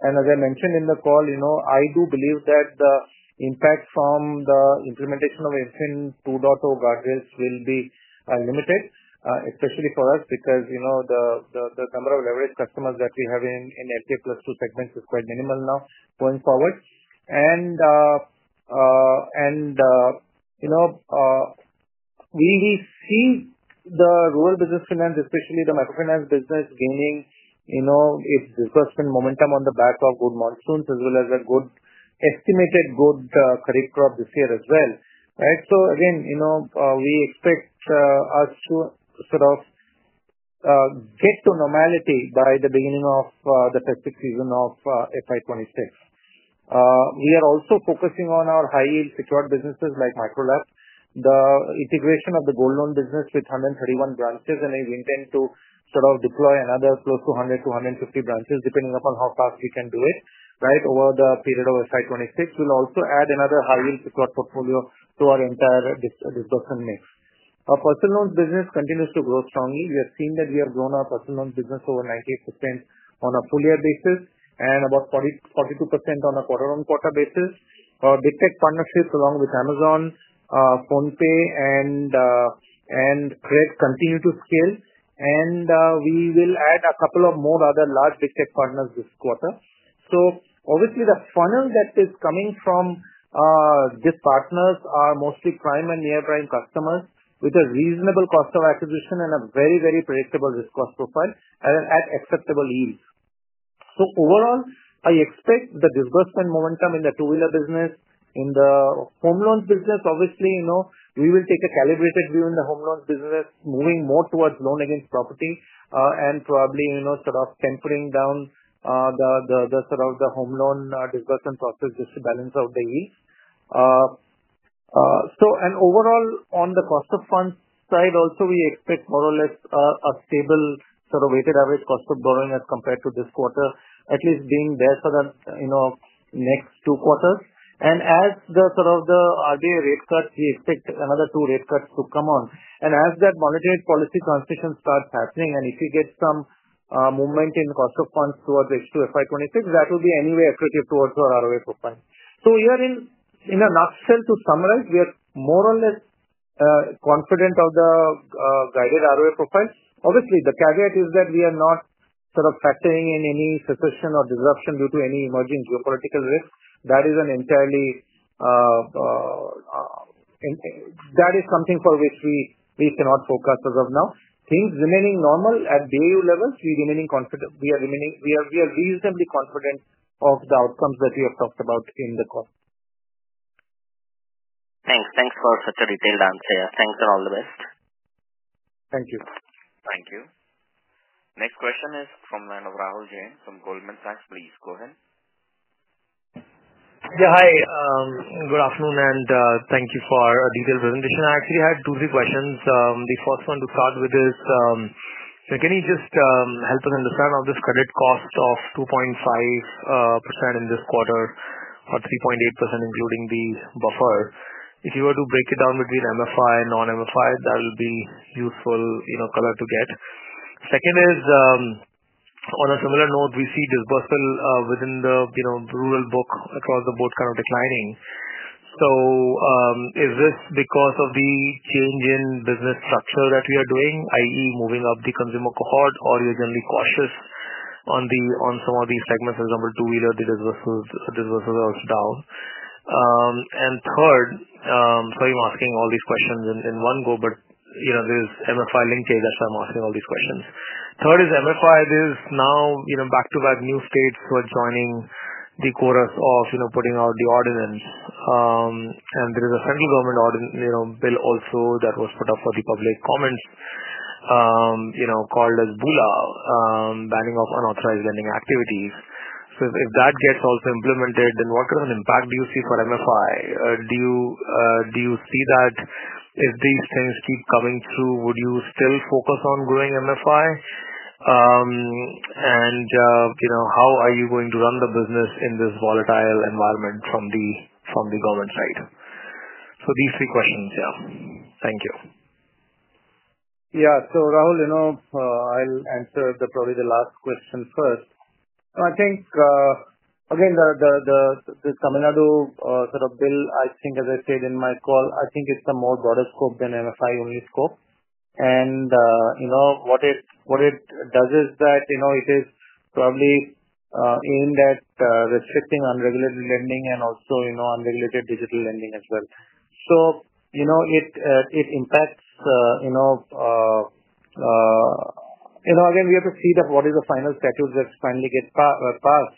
As I mentioned in the call, I do believe that the impact from the implementation of FN 2.0 guardrails will be limited, especially for us, because the number of leveraged customers that we have in FJ Plus two segments is quite minimal now going forward. We will see the rural business finance, especially the microfinance business, gaining its disbursement momentum on the back of good monsoons as well as a good estimated good credit crop this year as well, right? We expect us to sort of get to normality by the beginning of the festive season of FY2026. We are also focusing on our high-yield secured businesses like MicroLab, the integration of the Gold Loans business with 131 branches, and we intend to sort of deploy another close to 100-150 branches depending upon how fast we can do it, right, over the period of FY2026. We will also add another high-yield secured portfolio to our entire disbursement mix. Our Personal Loans business continues to grow strongly. We have seen that we have grown our Personal Loans business over 98% on a full-year basis and about 42% on a quarter-on-quarter basis. Big Tech partnerships along with Amazon, PhonePe, and Cred continue to scale. We will add a couple of more other large Big Tech partners this quarter. Obviously, the funnel that is coming from these partners are mostly prime and near-prime customers with a reasonable cost of acquisition and a very, very predictable risk cost profile at acceptable yields. Overall, I expect the disbursement momentum in the two-wheeler business. In the home loans business, obviously, we will take a calibrated view in the home loans business, moving more towards loan against property and probably sort of tempering down the sort of the home loan disbursement process just to balance out the yields. Overall, on the cost of funds side, also we expect more or less a stable sort of weighted average cost of borrowing as compared to this quarter, at least being there for the next two quarters. As the sort of the RBI rate cuts, we expect another two rate cuts to come on. As that monetary policy transition starts happening, and if we get some movement in cost of funds towards H2 FY2026, that will be anyway accretive towards our ROA profile. Here in a nutshell, to summarize, we are more or less confident of the guided ROA profile. Obviously, the caveat is that we are not sort of factoring in any succession or disruption due to any emerging geopolitical risk. That is entirely something for which we cannot focus as of now. Things remaining normal at BAU levels, we are reasonably confident of the outcomes that we have talked about in the call. Thanks. Thanks for such a detailed answer. Thanks and all the best. Thank you. Thank you. Next question is from Rahul Jain from Goldman Sachs. Please go ahead. Yeah. Hi. Good afternoon. And thank you for a detailed presentation. I actually had two or three questions. The first one to start with is, can you just help us understand how this credit cost of 2.5% in this quarter or 3.8% including the buffer, if you were to break it down between MFI and non-MFI, that will be useful color to get. Second is, on a similar note, we see disbursement within the rural book across the board kind of declining. Is this because of the change in business structure that we are doing, i.e., moving up the consumer cohort, or you're generally cautious on some of these segments, for example, two-wheeler disbursements are also down? Third, I'm asking all these questions in one go, but there's MFI linkage as I'm asking all these questions. Third is MFI, there's now back-to-back new states who are joining the chorus of putting out the ordinance. There is a central government ordinance bill also that was put up for public comments called as BULA, banning of unauthorized lending activities. If that gets also implemented, what kind of impact do you see for MFI? Do you see that if these things keep coming through, would you still focus on growing MFI? How are you going to run the business in this volatile environment from the government side? These three questions, yeah. Thank you. Yeah. Rahul, I'll answer probably the last question first. I think, again, this Tamil Nadu sort of bill, as I said in my call, I think it's a more broader scope than MFI-only scope. What it does is that it is probably aimed at restricting unregulated lending and also unregulated digital lending as well. It impacts again, we have to see what is the final statute that finally gets passed.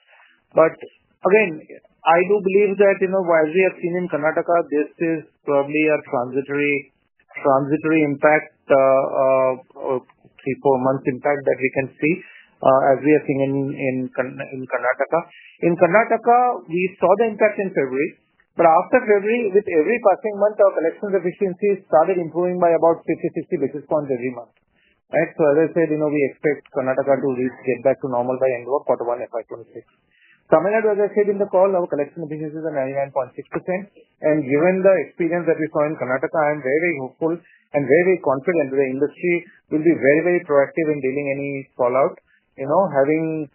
Again, I do believe that as we have seen in Karnataka, this is probably a transitory impact, three-four months impact that we can see as we are seeing in Karnataka. In Karnataka, we saw the impact in February. After February, with every passing month, our collection efficiency started improving by about 50-60 basis points every month, right? As I said, we expect Karnataka to get back to normal by end of quarter one, FY2026. Tamil Nadu, as I said in the call, our collection efficiency is at 99.6%. Given the experience that we saw in Karnataka, I'm very, very hopeful and very, very confident that the industry will be very, very proactive in dealing with any fallout, having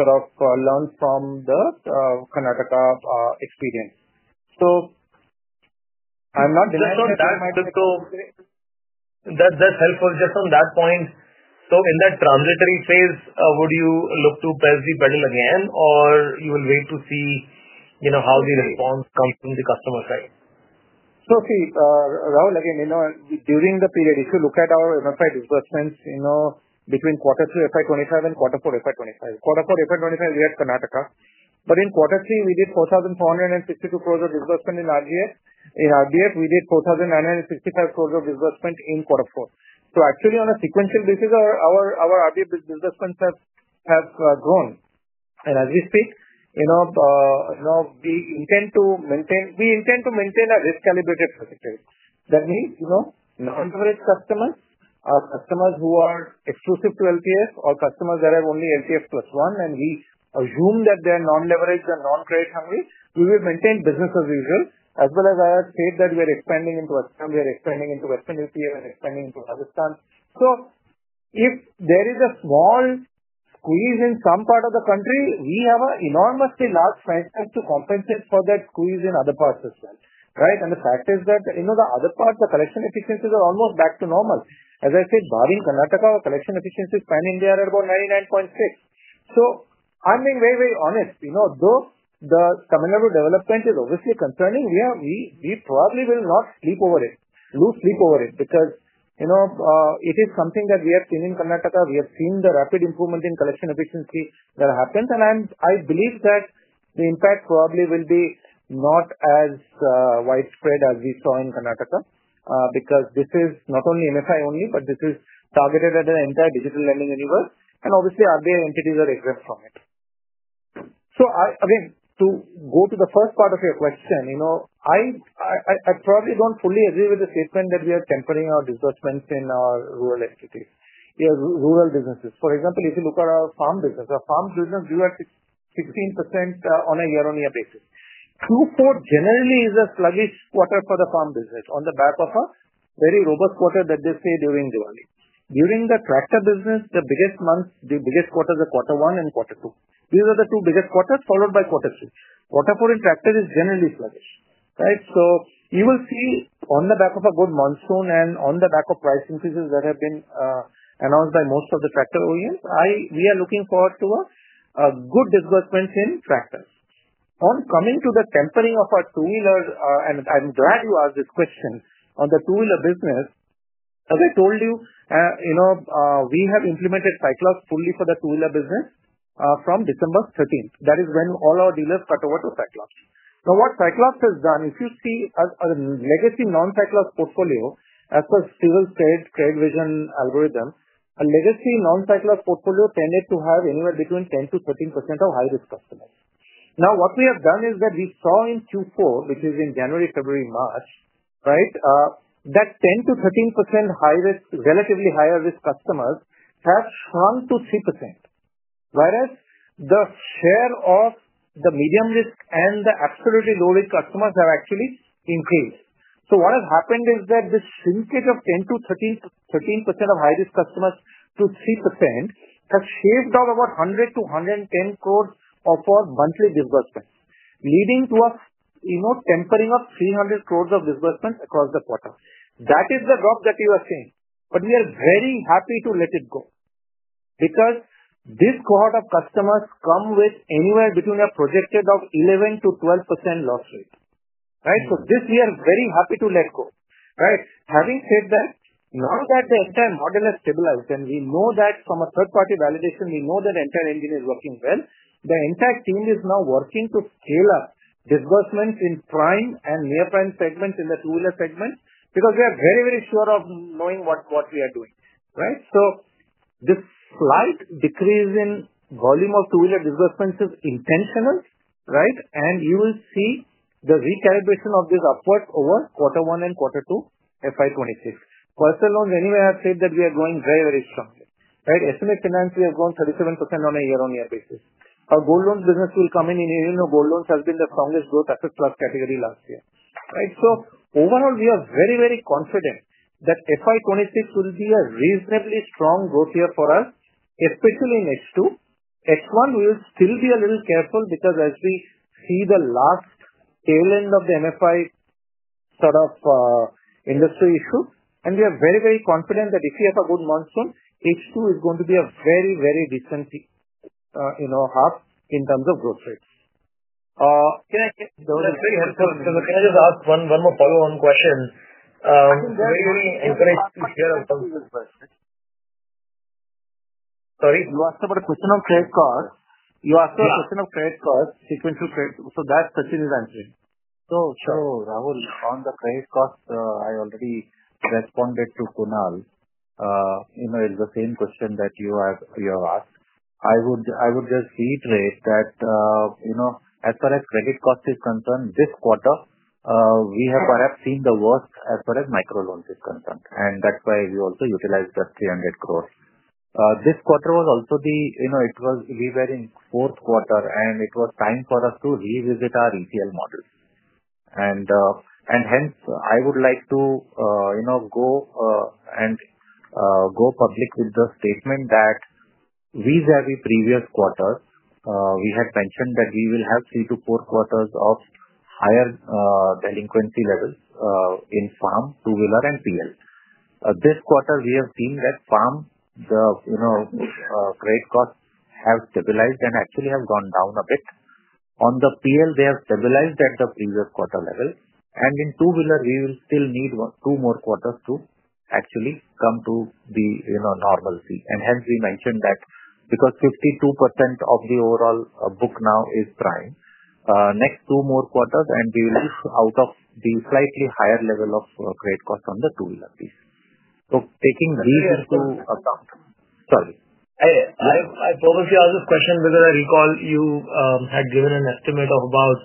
sort of learned from the Karnataka experience. I'm not denying that. That's helpful. Just on that point, in that transitory phase, would you look to press the pedal again, or will you wait to see how the response comes from the customer side? See, Rahul, again, during the period, if you look at our MFI disbursements between Q3 FY2025 and Q4 FY2025. Q4 FY2025, we had Karnataka. In Q3, we did 4,462 crore of disbursement in RBF. In RBF, we did 4,965 crore of disbursement in Q4. Actually, on a sequential basis, our RBF disbursements have grown. As we speak, we intend to maintain a risk-calibrated strategy. That means non-leveraged customers, customers who are exclusive to L&T Finance, or customers that are only L&T Finance plus one, and we assume that they are non-leveraged and non-credit hungry, we will maintain business as usual, as well as I have said that we are expanding into western, we are expanding into western Uttar Pradesh, we are expanding into Rajasthan. If there is a small squeeze in some part of the country, we have an enormously large franchise to compensate for that squeeze in other parts as well, right? The fact is that the other parts, the collection efficiencies are almost back to normal. As I said, barring Karnataka, our collection efficiency is pan-India at about 99.6%. I am being very, very honest. Though the Tamil Nadu development is obviously concerning, we probably will not lose sleep over it, because it is something that we have seen in Karnataka. We have seen the rapid improvement in collection efficiency that happens. I believe that the impact probably will be not as widespread as we saw in Karnataka because this is not only MFI only, but this is targeted at the entire digital lending universe. Obviously, RBI entities are exempt from it. To go to the first part of your question, I probably do not fully agree with the statement that we are tempering our disbursements in our rural entities, rural businesses. For example, if you look at our farm business, our farm business grew at 16% on a year-on-year basis. Q4 generally is a sluggish quarter for the farm business on the back of a very robust quarter that they say during Diwali. During the tractor business, the biggest month, the biggest quarter is quarter one and Q2. These are the two biggest quarters followed by Q3. Q4 in tractor is generally sluggish, right? You will see on the back of a good monsoon and on the back of price increases that have been announced by most of the tractor OEMs, we are looking forward to good disbursements in tractors. Coming to the tempering of our two-wheeler, and I'm glad you asked this question on the two-wheeler business, as I told you, we have implemented Cyclops fully for the two-wheeler business from December 13. That is when all our dealers cut over to Cyclops. Now, what Cyclops has done, if you see a legacy non-Cyclops portfolio, as per CIBIL's Credit Vision algorithm, a legacy non-Cyclops portfolio tended to have anywhere between 10 to 13% of high-risk customers. Now, what we have done is that we saw in Q4, which is in January, February, March, right, that 10 to 13% high-risk, relatively higher-risk customers have shrunk to 3%, whereas the share of the medium-risk and the absolutely low-risk customers have actually increased. What has happened is that this shrinkage of 10 to 13% of high-risk customers to 3% has shaved off about 100-110 crore of our monthly disbursements, leading to a tempering of 300 crore of disbursements across the quarter. That is the drop that you are seeing. We are very happy to let it go because this cohort of customers come with anywhere between a projected 11 to 12% loss rate, right? We are very happy to let go, right? Having said that, now that the entire model has stabilized and we know that from a third-party validation, we know that the entire engine is working well, the entire team is now working to scale up disbursements in prime and near-prime segments in the two-wheeler segments because we are very, very sure of knowing what we are doing, right? This slight decrease in volume of two-wheeler disbursements is intentional, right? You will see the recalibration of this upward over quarter one and Q2, FY2026. Personal loans, anyway, I have said that we are growing very, very strongly, right? Estimate finance, we have grown 37% on a year-on-year basis. Our gold loans business will come in. In a year, gold loans have been the strongest growth asset class category last year, right? Overall, we are very, very confident that FY2026 will be a reasonably strong growth year for us, especially in H2. H1, we will still be a little careful because as we see the last tail end of the MFI sort of industry issue, and we are very, very confident that if we have a good monsoon, H2 is going to be a very, very decent half in terms of growth rates. That's very helpful. Can I just ask one more follow-on question? Very, very encouraged to hear about this question. Sorry? You asked about a question of credit cost. You asked about a question of credit cost, sequential credit. So that's Sachinn is answering. Rahul, on the credit cost, I already responded to Kunal. It's the same question that you have asked. I would just reiterate that as far as credit cost is concerned, this quarter, we have perhaps seen the worst as far as micro loans is concerned. That's why we also utilized the 300 crore. This quarter was also the fourth quarter, and it was time for us to revisit our ECL model. Hence, I would like to go public with the statement that in the previous quarters, we had mentioned that we will have three to four quarters of higher delinquency levels in farm, two-wheeler, and PL. This quarter, we have seen that farm credit costs have stabilized and actually have gone down a bit. On the PL, they have stabilized at the previous quarter level. In two-wheeler, we will still need two more quarters to actually come to the normalcy. Hence, we mentioned that because 52% of the overall book now is prime, next two more quarters, and we will be out of the slightly higher level of credit cost on the two-wheeler piece. Taking these into account, sorry. I purposely asked this question because I recall you had given an estimate of about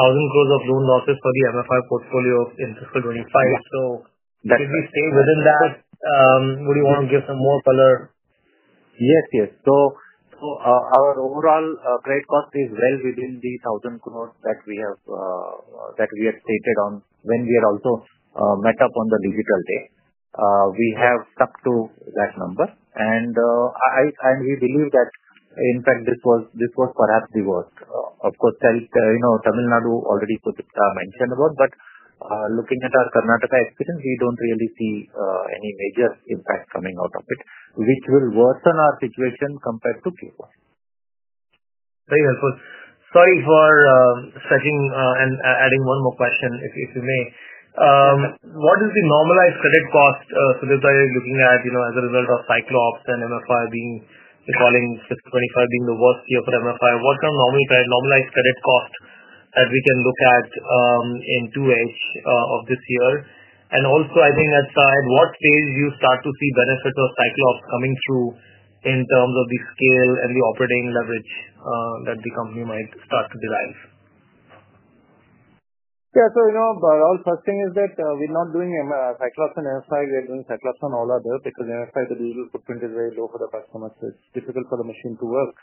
1,000 crore of loan losses for the MFI portfolio in fiscal 2025. Did we stay within that? Would you want to give some more color? Yes, yes. Our overall credit cost is well within the 1,000 crore that we have stated on when we had also met up on the digital day. We have stuck to that number. We believe that, in fact, this was perhaps the worst. Of course, Tamil Nadu already mentioned about, but looking at our Karnataka experience, we do not really see any major impact coming out of it, which will worsen our situation compared to Q4. Very helpful. Sorry for stretching and adding one more question, if you may. What is the normalized credit cost? This is why we are looking at as a result of Cyclops and MFI being recalling fiscal 2025 being the worst year for MFI. What is your normalized credit cost that we can look at in 2H of this year? Also, I think at what stage do you start to see benefits of Cyclops coming through in terms of the scale and the operating leverage that the company might start to derive? Yeah. Rahul, first thing is that we are not doing Cyclops on MFI. We are doing Cyclops on all other because MFI, the digital footprint is very low for the customers. It's difficult for the machine to work.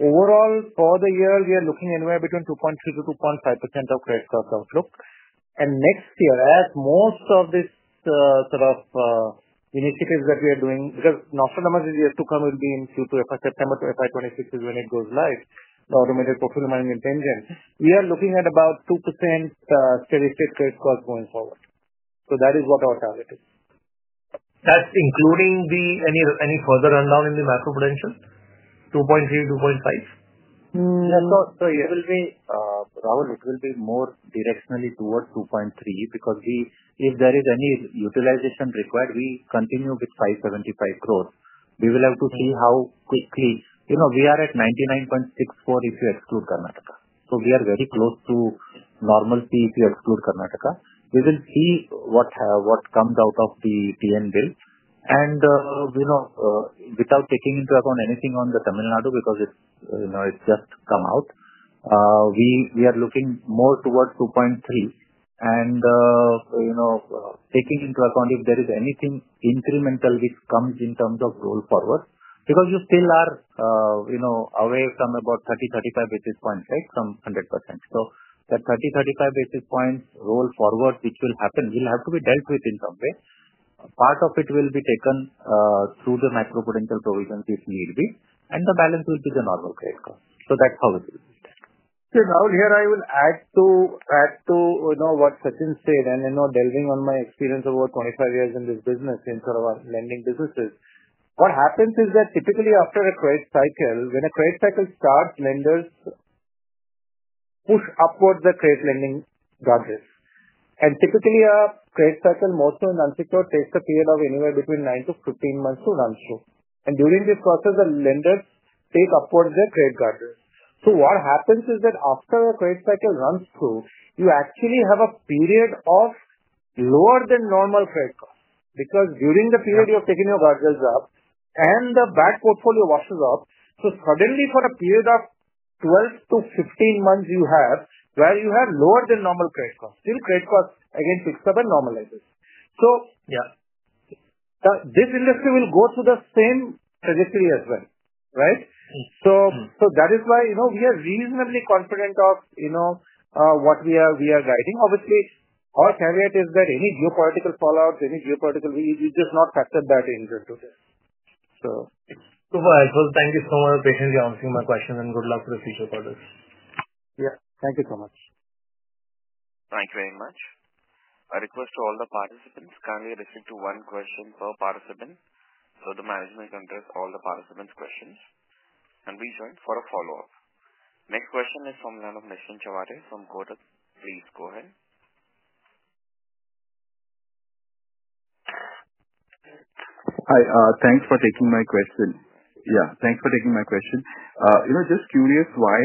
Overall, for the year, we are looking anywhere between 2.3 to 2.5% of credit cost outlook. Next year, as most of this sort of initiatives that we are doing, because Nostradamus is yet to come, will be in Q2, September to FY2026 is when it goes live, the automated portfolio management engine, we are looking at about 2% steady-state credit cost going forward. That is what our target is. That's including any further rundown in the macro potential, 2.3, 2.5? Yeah. It will be, Rahul, it will be more directionally towards 2.3% because if there is any utilization required, we continue with 575 crore. We will have to see how quickly we are at 99.64% if you exclude Karnataka. We are very close to normalcy if you exclude Karnataka. We will see what comes out of the Tamil Nadu bill. Without taking into account anything on the Tamil Nadu because it has just come out, we are looking more towards 2.3. Taking into account if there is anything incremental which comes in terms of roll forward because you still are away from about 30-35 basis points from 100%. That 30-35 basis points roll forward, which will happen, will have to be dealt with in some way. Part of it will be taken through the macro potential provisions if need be, and the balance will be the normal credit cost. That is how it will be done. Rahul, here I will add to what Sachinn said and delving on my experience of over 25 years in this business in sort of lending businesses. What happens is that typically after a credit cycle, when a credit cycle starts, lenders push upwards the credit lending guardrails. Typically, a credit cycle, mostly in unsecured, takes a period of anywhere between 9-15 months to run through. During this process, the lenders take upwards their credit guardrails. What happens is that after a credit cycle runs through, you actually have a period of lower than normal credit cost because during the period you have taken your guardrails up and the bad portfolio washes off. Suddenly, for a period of 12-15 months, you have where you have lower than normal credit cost. Credit cost, again, picks up and normalizes. This industry will go through the same trajectory as well, right? That is why we are reasonably confident of what we are guiding. Obviously, our caveat is that any geopolitical fallout, any geopolitical, we just not factor that into today. So helpful. Thank you so much for patiently answering my questions and good luck for the future quarters. Yeah. Thank you so much. Thank you very much. I request all the participants kindly listen to one question per participant. The management can address all the participants' questions. We join for a follow-up. Next question is from Nishan Chavares from Kotak. Please go ahead. Hi. Thanks for taking my question. Yeah. Thanks for taking my question. Just curious, why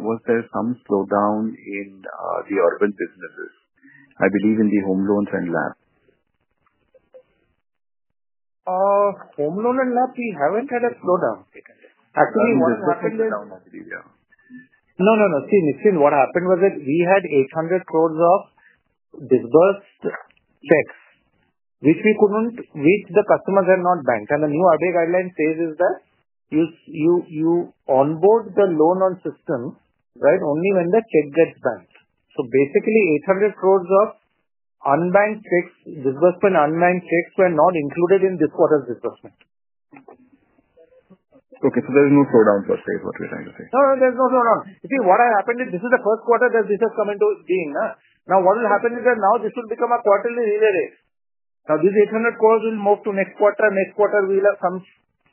was there some slowdown in the urban businesses? I believe in the home loans and lab. Home loan and lab, we haven't had a slowdown. Actually, what happened is no, no, no. See, Nishan, what happened was that we had 800 crore of disbursed checks, which we couldn't reach. The customers are not banked. The new Reserve Bank of India guideline says that you onboard the loan on system, right, only when the check gets banked. Basically, 800 crore of unbanked checks, disbursement unbanked checks, were not included in this quarter's disbursement. Okay. There is no slowdown for credit, what you're trying to say? No, there is no slowdown. See, what has happened is this is the first quarter that this has come into being. Now, what will happen is that now this will become a quarterly real rate. Now, these INR 800 crore will move to next quarter. Next quarter, we will have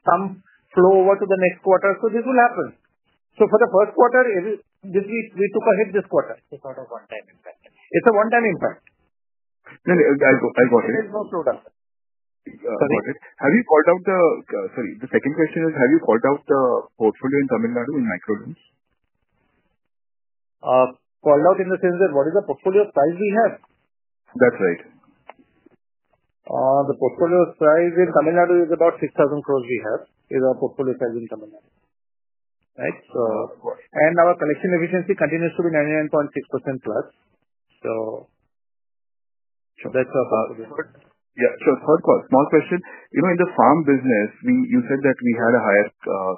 some flow over to the next quarter. This will happen. For the first quarter, we took a hit this quarter. It's not a one-time impact. It's a one-time impact. No, no. I got it. There is no slowdown. Sorry. Have you called out the—sorry, the second question is, have you called out the portfolio in Tamil Nadu in micro loans? Called out in the sense that what is the portfolio size we have? That's right. The portfolio size in Tamil Nadu is about 6,000 crore we have is our portfolio size in Tamil Nadu, right? And our collection efficiency continues to be 99.6% plus. That's our portfolio. Yeah. Third quarter, small question. In the farm business, you said that we had a higher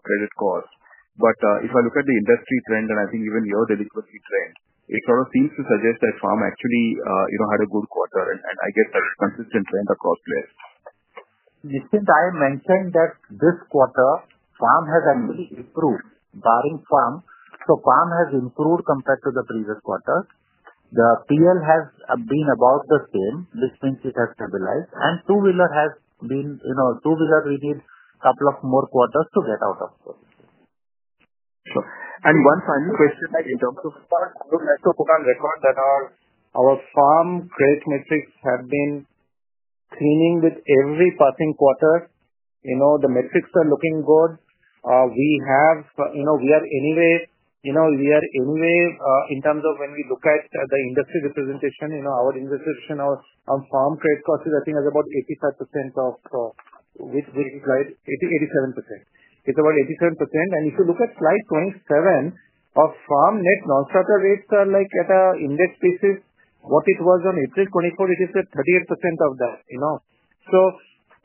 credit cost. If I look at the industry trend, and I think even your delinquency trend, it sort of seems to suggest that farm actually had a good quarter. I get that consistent trend across place. Nishin, I mentioned that this quarter, farm has actually improved, barring farm. Farm has improved compared to the previous quarter. The PL has been about the same, which means it has stabilized. Two-wheeler, we need a couple of more quarters to get out of those. Sure. One final question in terms of—for our record, our farm credit metrics have been cleaning with every passing quarter. The metrics are looking good. We are anyway—we are anyway in terms of when we look at the industry representation, our industry representation on farm credit cost is, I think, at about 85% of—which slide? 87%. It is about 87%. If you look at slide 27, our farm net non-starter rates are at an index basis. What it was on April 24, it is at 38% of that.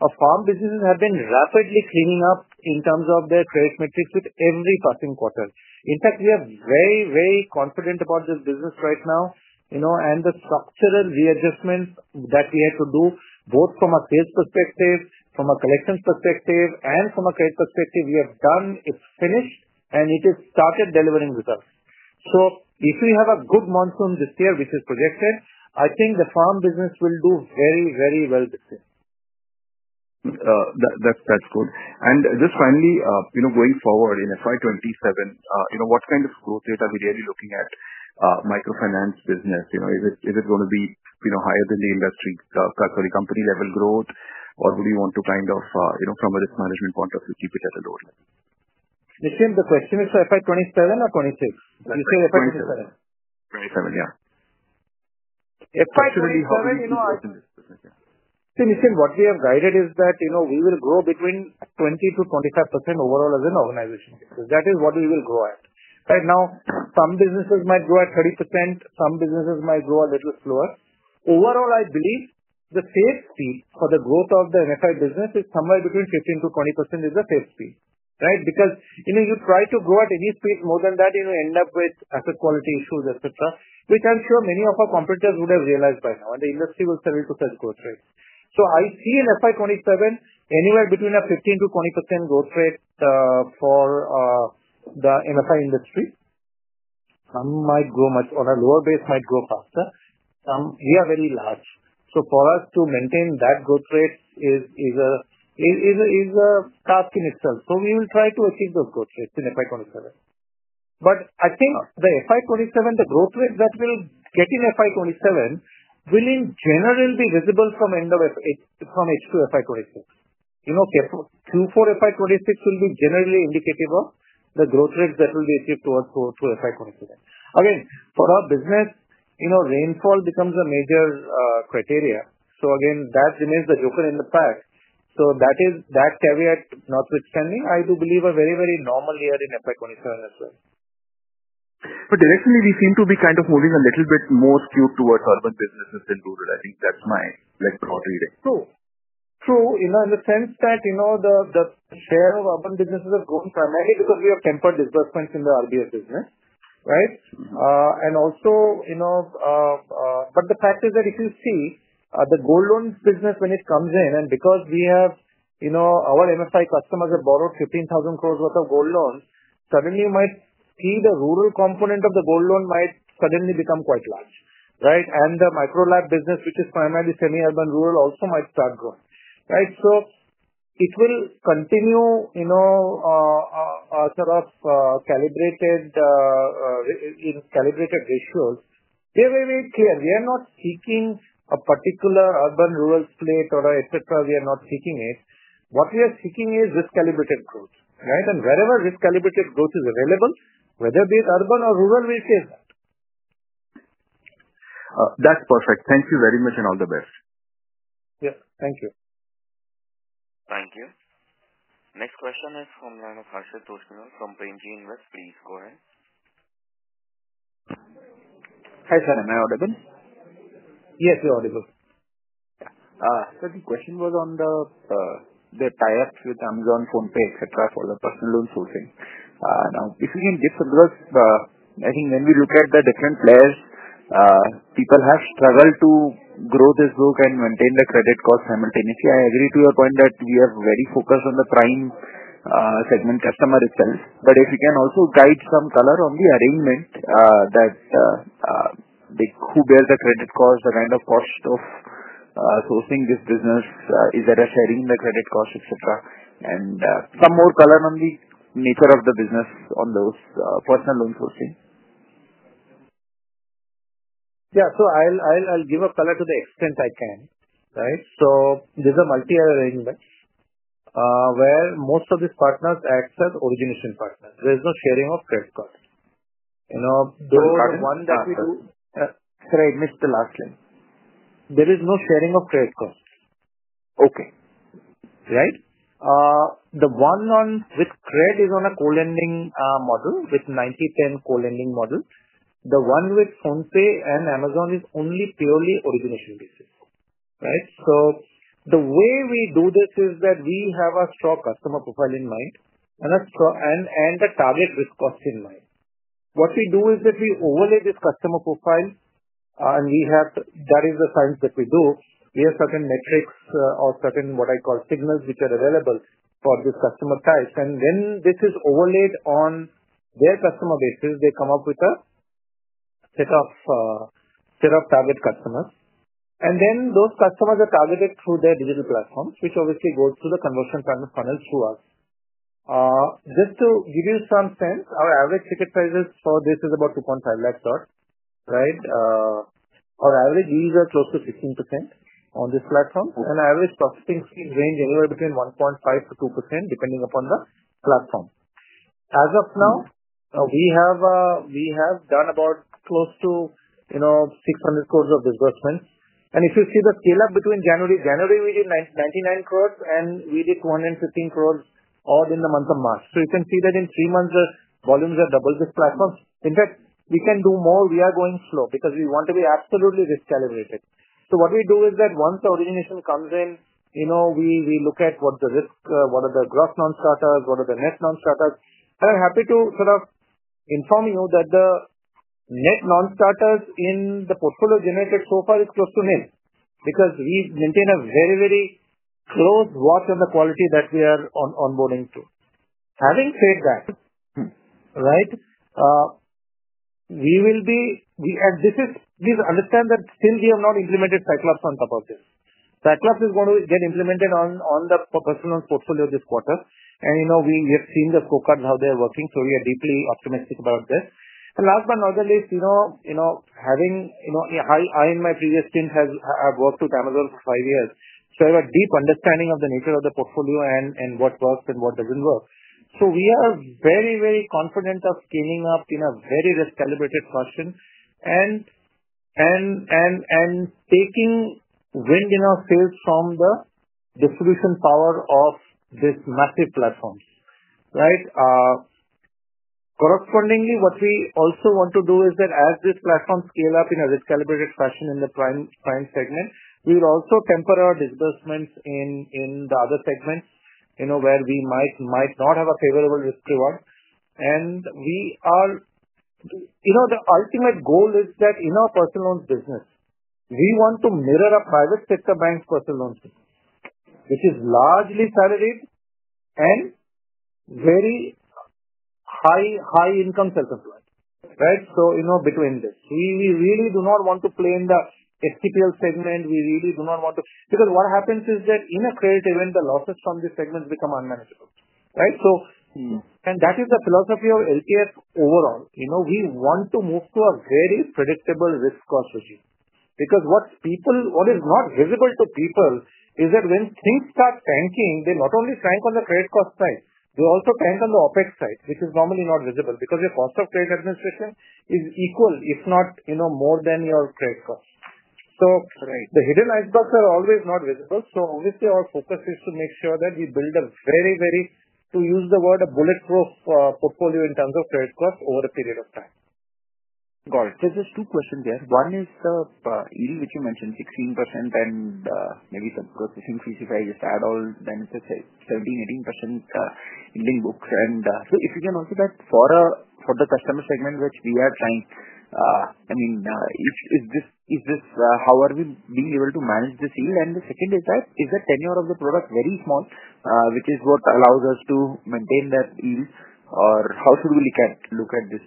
Our farm businesses have been rapidly cleaning up in terms of their credit metrics with every passing quarter. In fact, we are very, very confident about this business right now. The structural readjustments that we had to do, both from a sales perspective, from a collections perspective, and from a credit perspective, we have done, it's finished, and it has started delivering resuLTF. If we have a good monsoon this year, which is projected, I think the farm business will do very, very well this year. That's good. Just finally, going forward in FY2027, what kind of growth rate are we really looking at? Microfinance business, is it going to be higher than the industry, sorry, company-level growth? Or would you want to kind of, from a risk management point of view, keep it at a lower level? Nishin, the question is for FY2027 or 2026? You said FY2027. 2027. Yeah. FY27 is—see, Nishin, what we have guided is that we will grow between 20 to 25% overall as an organization. That is what we will grow at. Right now, some businesses might grow at 30%. Some businesses might grow a little slower. Overall, I believe the safe speed for the growth of the MFI business is somewhere between 15 to 20% is the safe speed, right? Because you try to grow at any speed more than that, you end up with asset quality issues, etc., which I'm sure many of our comPBTitors would have realized by now. The industry will settle to such growth rates. I see in FY27, anywhere between a 15 to 20% growth rate for the MFI industry. Some might grow much on a lower base, might grow faster. We are very large. For us to maintain that growth rate is a task in itself. We will try to achieve those growth rates in FY27. I think the FY27 growth rate that we will get in FY27 will in general be visible from H2 FY26. Q4 FY26 will be generally indicative of the growth rates that will be achieved towards Q2 FY27. Again, for our business, rainfall becomes a major criteria. That remains the joker in the pack. That caveat notwithstanding, I do believe a very, very normal year in FY27 as well. Directionally, we seem to be kind of moving a little bit more skewed towards urban businesses than rural. I think that is my broad reading. In the sense that the share of urban businesses has grown primarily because we have tempered disbursements in the RBI business, right? Also, the fact is that if you see the gold loan business when it comes in, and because our MFI customers have borrowed 15,000 crore worth of gold loans, suddenly you might see the rural component of the gold loan might suddenly become quite large, right? The MicroLab business, which is primarily semi-urban rural, also might start growing, right? It will continue a sort of calibrated ratios. We are very, very clear. We are not seeking a particular urban rural slate or etc. We are not seeking it. What we are seeking is risk-calibrated growth, right? Wherever risk-calibrated growth is available, whether be it urban or rural, we will chase that. That's perfect. Thank you very much and all the best. Yeah. Thank you. Thank you. Next question is from Land of Nishan Toshinath from Braingain Invest. Please go ahead. Hi, sir. Am I audible? Yes, you're audible. The question was on the tie-ups with Amazon, PhonePe, etc., for the personal loan sourcing. Now, if you can give some, because I think when we look at the different players, people have struggled to grow this book and maintain the credit cost simultaneously. I agree to your point that we are very focused on the prime segment customer itself. If you can also guide some color on the arrangement, that who bears the credit cost, the kind of cost of sourcing this business, is there a sharing in the credit cost, etc., and some more color on the nature of the business on those personal loan sourcing. Yeah. I'll give a color to the extent I can, right? There is a multi-year arrangement where most of these partners, except origination partners, there is no sharing of credit cost. The one that we do—sorry, I missed the last line. There is no sharing of credit cost. Okay. Right? The one with Cred is on a co-lending model with 90/10 co-lending model. The one with PhonePe and Amazon is only purely origination basis, right? The way we do this is that we have a strong customer profile in mind and a target risk cost in mind. What we do is that we overlay this customer profile, and we have—that is the science that we do. We have certain metrics or certain what I call signals which are available for this customer type. When this is overlaid on their customer basis, they come up with a set of target customers. Those customers are targeted through their digital platforms, which obviously goes through the conversion funnel through us. Just to give you some sense, our average ticket prices for this is about 250,000, right? Our average is close to 15% on this platform. And our average profiting range is anywhere between 1.5%-2%, depending upon the platform. As of now, we have done about close to 600 crore of disbursements. If you see the scale-up between January, January, we did 99 crore, and we did 215 crore all in the month of March. You can see that in three months, the volumes have doubled this platform. In fact, we can do more. We are going slow because we want to be absolutely risk-calibrated. What we do is that once the origination comes in, we look at what are the gross non-starters, what are the net non-starters. I am happy to sort of inform you that the net non-starters in the portfolio generated so far is close to nil because we maintain a very, very close watch on the quality that we are onboarding to. Having said that, we will be—and please understand that still we have not implemented Cyclops on top of this. Cyclops is going to get implemented on the personal loan portfolio this quarter. We have seen the scorecards, how they are working. We are deeply optimistic about this. Last but not the least, I, in my previous stint, have worked with Amazon for five years. I have a deep understanding of the nature of the portfolio and what works and what does not work. We are very, very confident of scaling up in a very risk-calibrated fashion and taking wind in our sails from the distribution power of these massive platforms, right? Correspondingly, what we also want to do is that as this platform scale-up in a risk-calibrated fashion in the prime segment, we will also temper our disbursements in the other segments where we might not have a favorable risk reward. The ultimate goal is that in our personal loans business, we want to mirror a private sector bank's personal loan system, which is largely salaried and very high-income self-employed, right? Between this, we really do not want to play in the STPL segment. We really do not want to—because what happens is that in a credit event, the losses from these segments become unmanageable, right? That is the philosophy of L&T Finance overall. We want to move to a very predictable risk cost regime because what is not visible to people is that when things start tanking, they not only tank on the credit cost side, they also tank on the OPEX side, which is normally not visible because your cost of credit administration is equal, if not more than your credit cost. The hidden icebergs are always not visible. Obviously, our focus is to make sure that we build a very, very—to use the word—a bulletproof portfolio in terms of credit cost over a period of time. Got it. Just two questions there. One is the yield, which you mentioned, 16%, and maybe some growth increase. If I just add all, then it's a 17 to 18% in link books. If you can also—for the customer segment, which we are trying, I mean, how are we being able to manage this yield? The second is, is the tenure of the product very small, which is what allows us to maintain that yield? Or how should we look at this?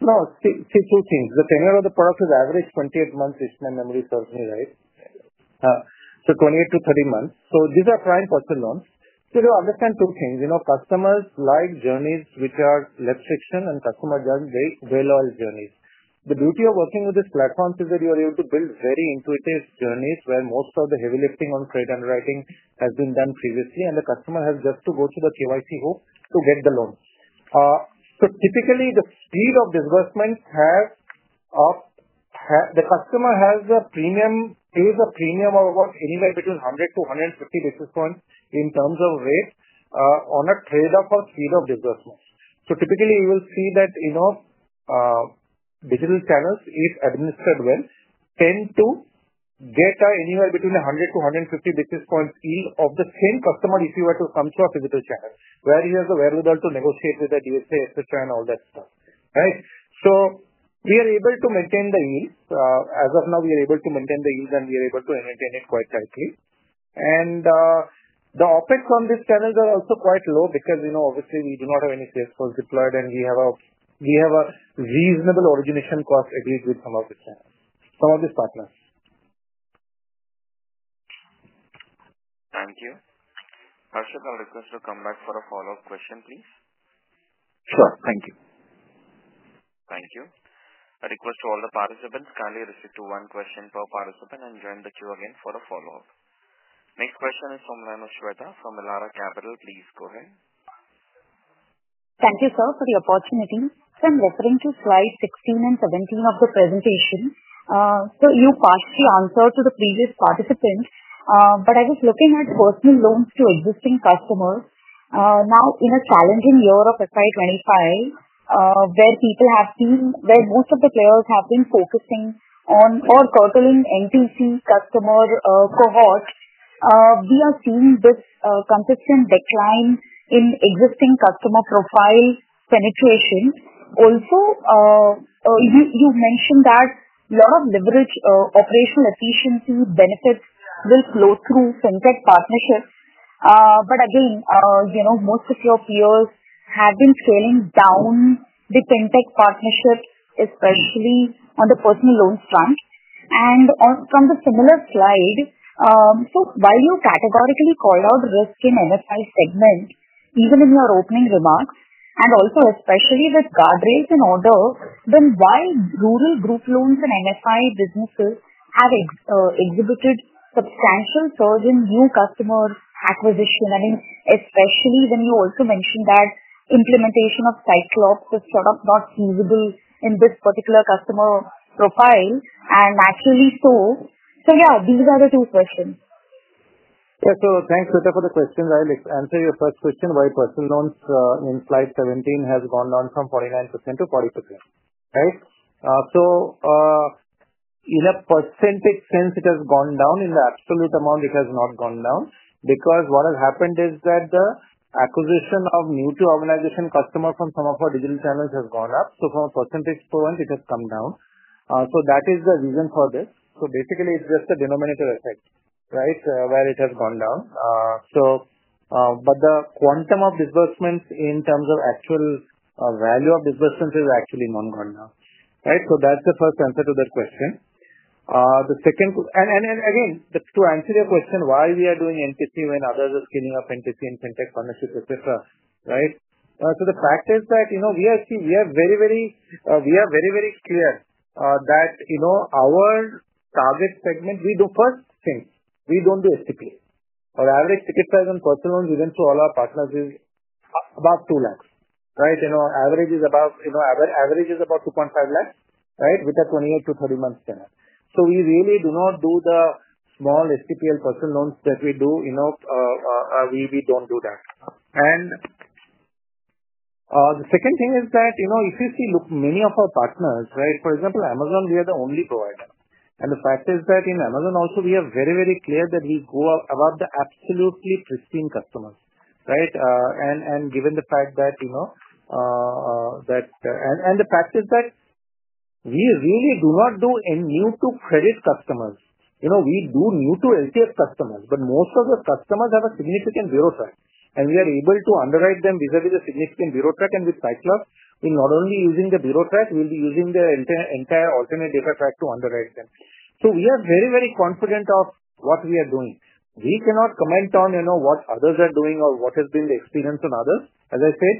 No. Say two things. The tenure of the product is average 28 months, if my memory serves me right. So 28-30 months. These are prime personal loans. To understand two things, customers like journeys which are less friction and customer journeys—very well-oiled journeys. The beauty of working with these platforms is that you are able to build very intuitive journeys where most of the heavy lifting on credit underwriting has been done previously, and the customer has just to go to the KYC hoop to get the loan. Typically, the speed of disbursements has—the customer has a premium—pays a premium of about anywhere between 100-150 basis points in terms of rate on a credit-off of speed of disbursements. Typically, you will see that digital channels, if administered well, tend to get anywhere between 100-150 basis points yield of the same customer if you were to come to a physical channel, where he has the wherewithal to negotiate with the DSA, etc., and all that stuff, right? We are able to maintain the yield. As of now, we are able to maintain the yield, and we are able to entertain it quite tightly. The OPEX on these channels is also quite low because obviously, we do not have any sales force deployed, and we have a reasonable origination cost agreed with some of these partners. Thank you. Harshad, I'll request to come back for a follow-up question, please. Sure. Thank you. Thank you. I request to all the participants kindly restrict to one question per participant and join the queue again for a follow-up. Next question is from Rita from Elara Capital. Please go ahead. Thank you, sir, for the opportunity. I am referring to slides 16 and 17 of the presentation. You partially answered to the previous participant, but I was looking at personal loans to existing customers. Now, in a challenging year of 2025, where most of the players have been focusing on or curtailing NTC customer cohorts, we are seeing this consistent decline in existing customer profile penetration. Also, you mentioned that a lot of operational efficiency benefits will flow through fintech partnerships. Again, most of your peers have been scaling down the fintech partnerships, especially on the personal loan front. From the similar slide, while you categorically called out risk in the MFI segment, even in your opening remarks, and also especially with guardrails in order, why have rural group loans and MFI businesses exhibited substantial surge in new customer acquisition? I mean, especially when you also mentioned that implementation of Cyclops is sort of not feasible in this particular customer profile, and naturally so. These are the two questions. Yeah. Thanks, Rita, for the questions. I'll answer your first question. Why personal loans in slide 17 has gone down from 49%-40%, right? In a percentage sense, it has gone down. In the absolute amount, it has not gone down because what has happened is that the acquisition of new-to-organization customers from some of our digital channels has gone up. From a percentage point, it has come down. That is the reason for this. Basically, it's just a denominator effect, right, where it has gone down. The quantum of disbursements in terms of actual value of disbursements has actually not gone down, right? That's the first answer to that question. Again, to answer your question, why we are doing NTC when others are scaling up NTC and fintech partnerships, etc., right? The fact is that we are very, very clear that our target segment, we do first thing. We don't do STPL. Our average ticket size on personal loans even through all our partners is above 200,000, right? Average is above 250,000, right, with a 28 to 30 months tenure. We really do not do the small STPL personal loans that we do. We do not do that. The second thing is that if you see, look, many of our partners, right, for example, Amazon, we are the only provider. The fact is that in Amazon also, we are very, very clear that we go above the absolutely pristine customers, right? Given the fact that—the fact is that we really do not do new-to-credit customers. We do new-to-LTF customers, but most of the customers have a significant bureau track. We are able to underwrite them vis-à-vis the significant bureau track. With Cyclops, we are not only using the bureau track; we will be using the entire alternate data track to underwrite them. We are very, very confident of what we are doing. We cannot comment on what others are doing or what has been the experience on others. As I said,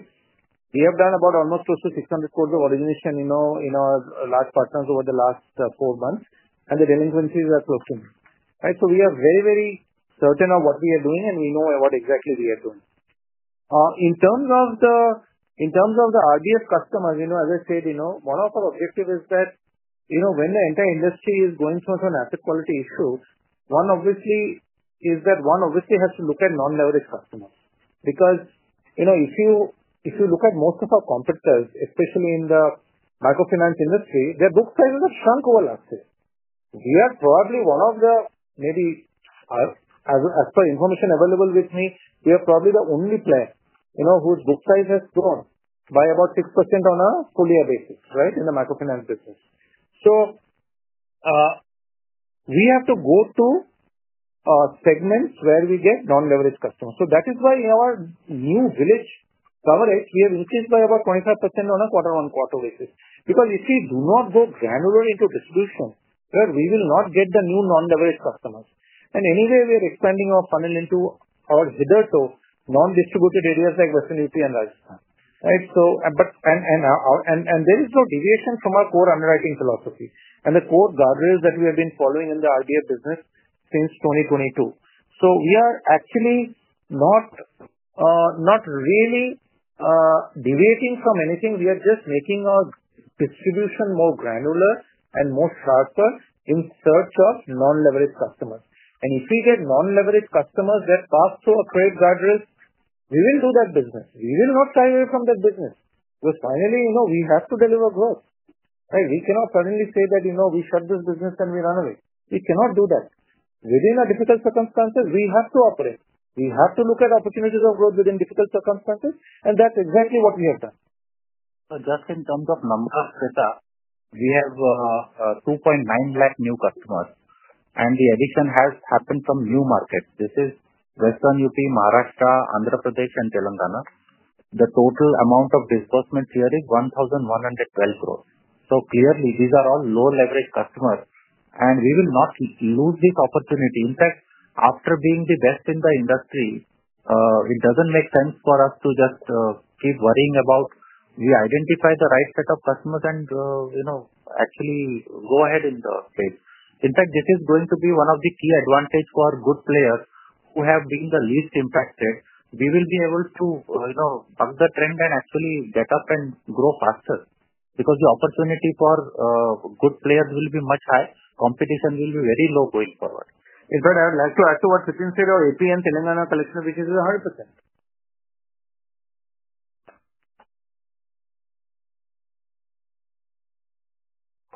we have done about almost close to 600 crore of origination in our large partners over the last four months, and the delinquencies are closing, right? We are very, very certain of what we are doing, and we know what exactly we are doing. In terms of the RBF customers, as I said, one of our objectives is that when the entire industry is going through an asset quality issue, one obviously is that one obviously has to look at non-leverage customers because if you look at most of our comPBTitors, especially in the microfinance industry, their book sizes have shrunk over the last year. We are probably one of the—maybe as per information available with me, we are probably the only player whose book size has grown by about 6% on a full-year basis, right, in the microfinance business. We have to go to segments where we get non-leverage customers. That is why in our new village coverage, we have increased by about 25% on a quarter-on-quarter basis because if we do not go granular into distribution, we will not get the new non-leverage customers. Anyway, we are expanding our funnel into our hitherto non-distributed areas like Western Uttar Pradesh and Rajasthan, right? There is no deviation from our core underwriting philosophy and the core guardrails that we have been following in the RBF business since 2022. We are actually not really deviating from anything. We are just making our distribution more granular and more sharp in search of non-leverage customers. If we get non-leverage customers that pass through our credit guardrails, we will do that business. We will not shy away from that business because finally, we have to deliver growth, right? We cannot suddenly say that we shut this business and we run away. We cannot do that. Within our difficult circumstances, we have to operate. We have to look at opportunities of growth within difficult circumstances, and that is exactly what we have done. Just in terms of numbers, Rita, we have 290,000 new customers, and the addition has happened from new markets. This is Western Uttar Pradesh, Maharashtra, Andhra Pradesh, and Telangana. The total amount of disbursements here is 1,112 crore. Clearly, these are all low-leverage customers, and we will not lose this opportunity. In fact, after being the best in the industry, it doesn't make sense for us to just keep worrying about. We identify the right set of customers and actually go ahead in the space. In fact, this is going to be one of the key advantages for good players who have been the least impacted. We will be able to buck the trend and actually get up and grow faster because the opportunity for good players will be much higher. ComPBTition will be very low going forward. In fact, I would like to add to what Ritin said, our AP and Telangana collection, which is 100%.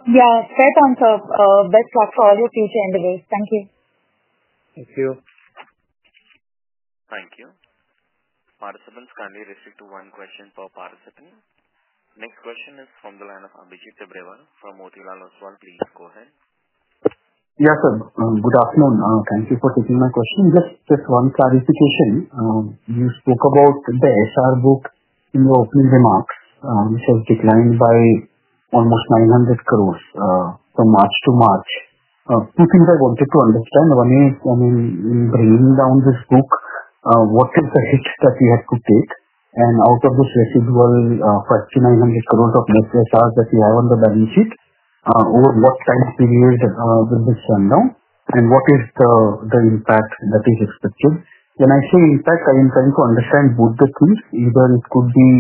Yeah. Right on, sir. Best luck for all your future endeavors. Thank you. Thank you. Thank you. Participants, kindly restrict to one question per participant. Next question is from the line of Abhijit Abreval from Motilal Oswal. Please go ahead. Yes, sir. Good afternoon. Thank you for taking my question. Just one clarification. You spoke about the SR book in your opening remarks, which has declined by almost 900 crore from March to March. Two things I wanted to understand. One is, I mean, in bringing down this book, what is the hit that we have to take? And out of this residual INR 500-900 crore of net SR that we have on the balance sheet, over what time period will this run down? And what is the impact that is expected? When I say impact, I am trying to understand both the things. Either it could be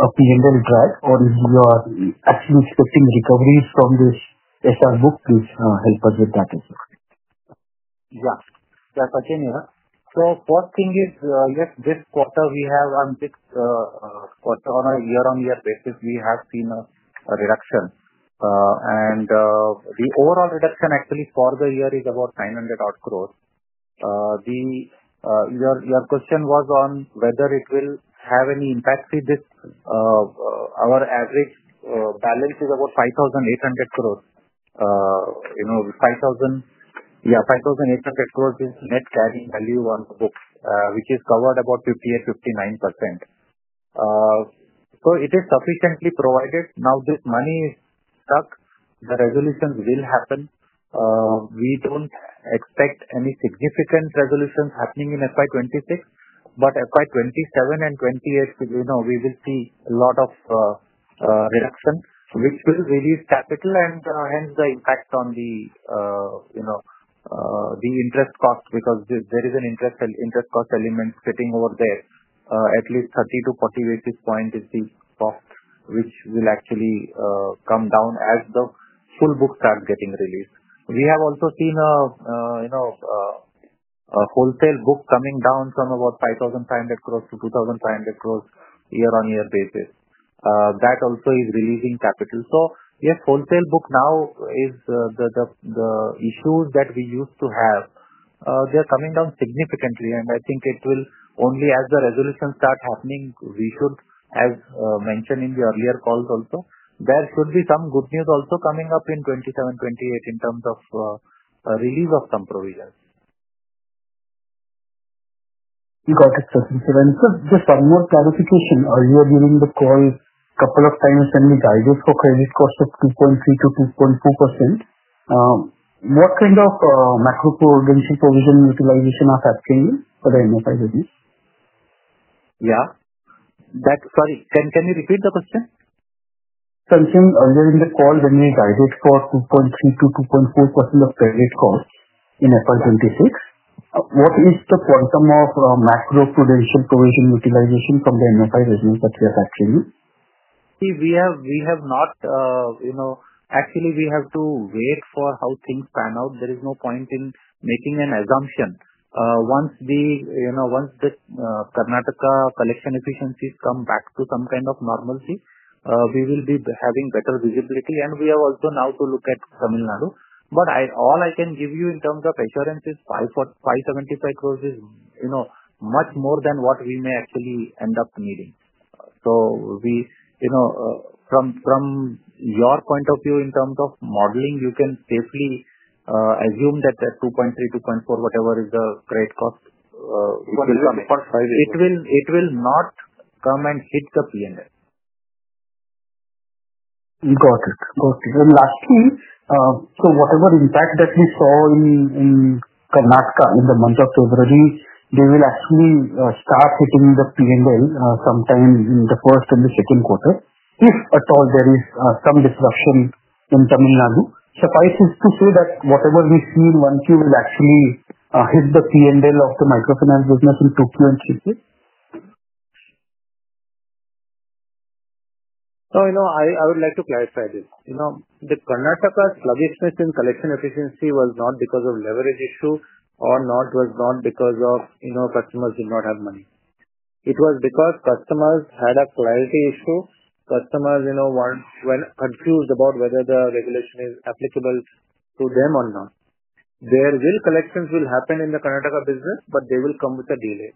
a P&L drag, or if you are actually expecting recoveries from this SR book, please help us with that as well. Yeah. Yeah. Continue. First thing is, yes, this quarter we have, on a year-on-year basis, we have seen a reduction. The overall reduction actually for the year is about INR 9 billion-odd. Your question was on whether it will have any impact. See, our average balance is about 58 billion. Yeah, 58 billion is net carrying value on the book, which is covered about 58 to 59%. It is sufficiently provided. Now, this money is stuck. The resolutions will happen. We do not expect any significant resolutions happening in FY2026, but FY2027 and 2028, we will see a lot of reduction, which will release capital and hence the impact on the interest cost because there is an interest cost element sitting over there. At least 30-40 basis points is the cost, which will actually come down as the full book starts getting released. We have also seen a wholesale book coming down from about 55 billion to 25 billion year-on-year basis. That also is releasing capital. Yes, wholesale book now is the issues that we used to have. They're coming down significantly, and I think it will only—as the resolutions start happening, we should, as mentioned in the earlier calls also, there should be some good news also coming up in 2027, 2028 in terms of release of some provisions. Got it. Just one more clarification. Earlier during the call, a couple of times when we guided for credit cost of 2.3 to 2.4%, what kind of macro-provision utilization are factoring in for the MFI business? Yeah. Sorry. Can you repeat the question? Considering earlier in the call when we guided for 2.3 to 2.4% of credit cost in FY2026, what is the quantum of macro-provision utilization from the MFI business that we are factoring in? See, we have not—actually, we have to wait for how things pan out. There is no point in making an assumption. Once the Karnataka collection efficiencies come back to some kind of normality, we will be having better visibility. We have also now to look at Tamil Nadu. All I can give you in terms of assurance is INR 575 crore is much more than what we may actually end up needing. From your point of view, in terms of modeling, you can safely assume that 2.3, 2.4, whatever is the credit cost. It will come first. It will not come and hit the P&L. Got it. Got it. Lastly, whatever impact that we saw in Karnataka in the month of February, they will actually start hitting the P&L sometime in the first and the second quarter. If at all there is some disruption in Tamil Nadu, suffice it to say that whatever we see in 1Q will actually hit the P&L of the microfinance business in 2Q and 3Q. I would like to clarify this. The Karnataka sluggishness in collection efficiency was not because of leverage issue or was not because customers did not have money. It was because customers had a clarity issue. Customers were confused about whether the regulation is applicable to them or not. Their collections will happen in the Karnataka business, but they will come with a delay.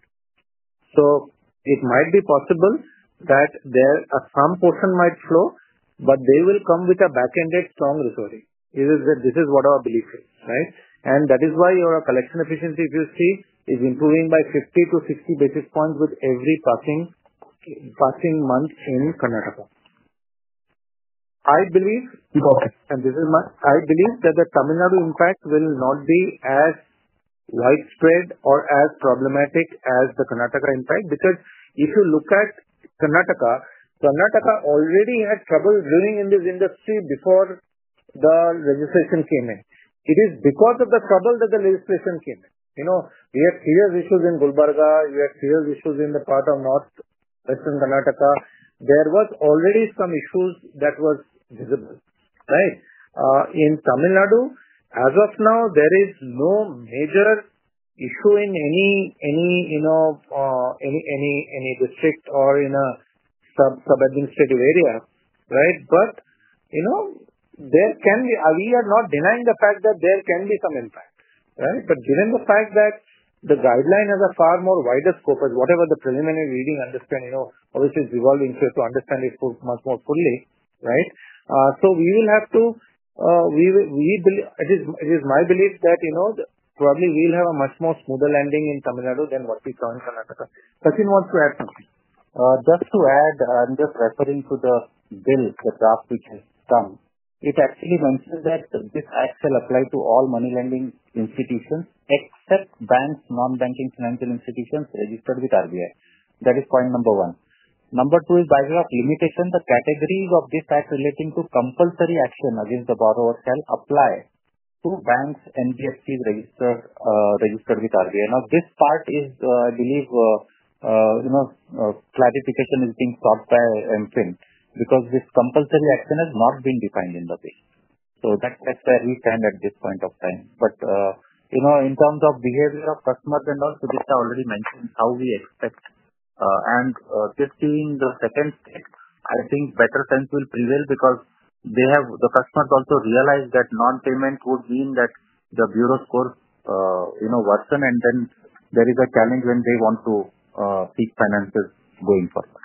It might be possible that some portion might flow, but they will come with a back-ended strong resource. This is what our belief is, right? That is why our collection efficiency, if you see, is improving by 50 to 60 basis points with every passing month in Karnataka. I believe—and this is my—I believe that the Tamil Nadu impact will not be as widespread or as problematic as the Karnataka impact because if you look at Karnataka, Karnataka already had trouble growing in this industry before the legislation came in. It is because of the trouble that the legislation came in. We had serious issues in Gulbarga. We had serious issues in the part of Northwestern Karnataka. There were already some issues that were visible, right? In Tamil Nadu, as of now, there is no major issue in any district or in a sub-administrative area, right? There can be—we are not denying the fact that there can be some impact, right? Given the fact that the guideline has a far more wider scope as whatever the preliminary reading understanding, obviously, is evolving, to understand it much more fully, right? We will have to—it is my belief that probably we'll have a much more smoother landing in Tamil Nadu than what we saw in Karnataka. Ritin wants to add something. Just to add, I'm just referring to the bill, the draft which has come. It actually mentions that this act shall apply to all money lending institutions except banks, non-banking financial institutions registered with RBI. That is point number one. Number two is by way of limitation, the categories of this act relating to compulsory action against the borrower shall apply to banks, NBFCs registered with RBI. Now, this part is, I believe, clarification is being sought by MFIN because this compulsory action has not been defined in the bill. That is where we stand at this point of time. In terms of behavior of customers and all, Ritin already mentioned how we expect. Just doing the second step, I think better sense will prevail because the customers also realize that non-payment would mean that the bureau scores worsen, and then there is a challenge when they want to seek finances going forward.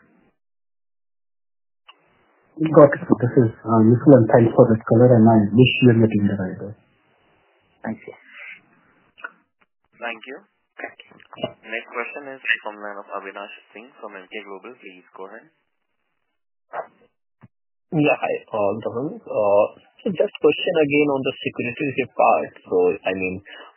Got it. This is useful, and thanks for that, Kalan. I wish you a good evening, Ridhu. Thank you. Thank you. Thank you. Next question is from Abhinash Singh from MK Global. Please go ahead. Yeah. Hi, Kalan. Just question again on the security part.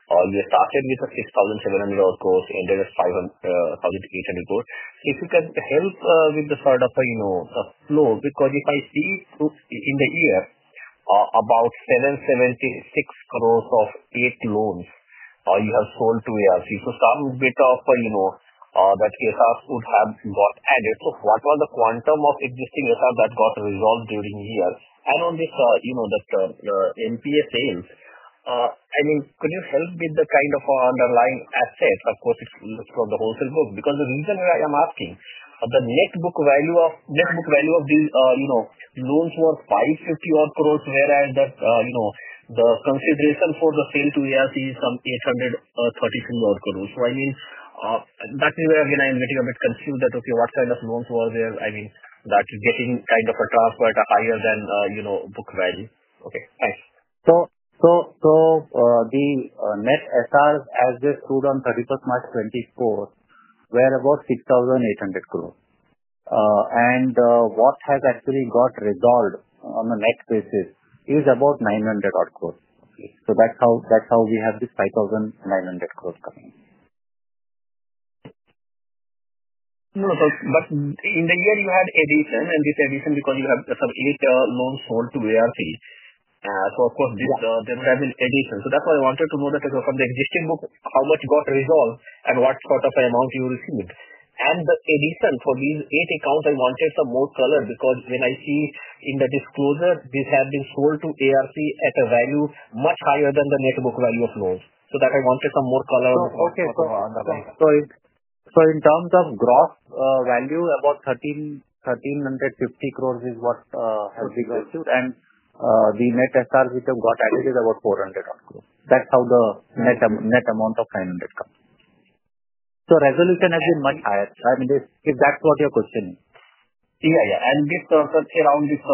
You started with a 6,700-odd crore, ended at 5,800 crore. If you can help with the sort of a flow because if I see in the year about 776 crore of 8 loans you have sold to ARC, some bit of that SRs would have got added. What was the quantum of existing SRs that got resolved during years? On this, the MPA sales, could you help with the kind of underlying assets, of course, from the wholesale book? The reason why I am asking, the net book value of these loans was 550 crore-odd, whereas the consideration for the sale to ARC is some 833 crore-odd. That is where again I'm getting a bit confused that, okay, what kind of loans were there? That getting kind of a transfer at a higher than book value. Okay, thanks. The net SRs as they stood on 31 March 2024 were about 6,800 crore. What has actually got resolved on a net basis is about 900 crore-odd. That is how we have this 5,900 crore coming. In the year, you had addition, and this addition because you have some eight loans sold to ARC. Of course, there would have been addition. That's why I wanted to know that from the existing book, how much got resolved and what sort of amount you received. The addition for these eight accounts, I wanted some more color because when I see in the disclosure, these have been sold to ARC at a value much higher than the net book value of loans. I wanted some more color on the quantum. In terms of gross value, about 1,350 crore is what has been issued. The net SRs which have got added is about 400-odd crore. That's how the net amount of 900 comes. Resolution has been much higher, if that's what your question is. Yeah. Around this sale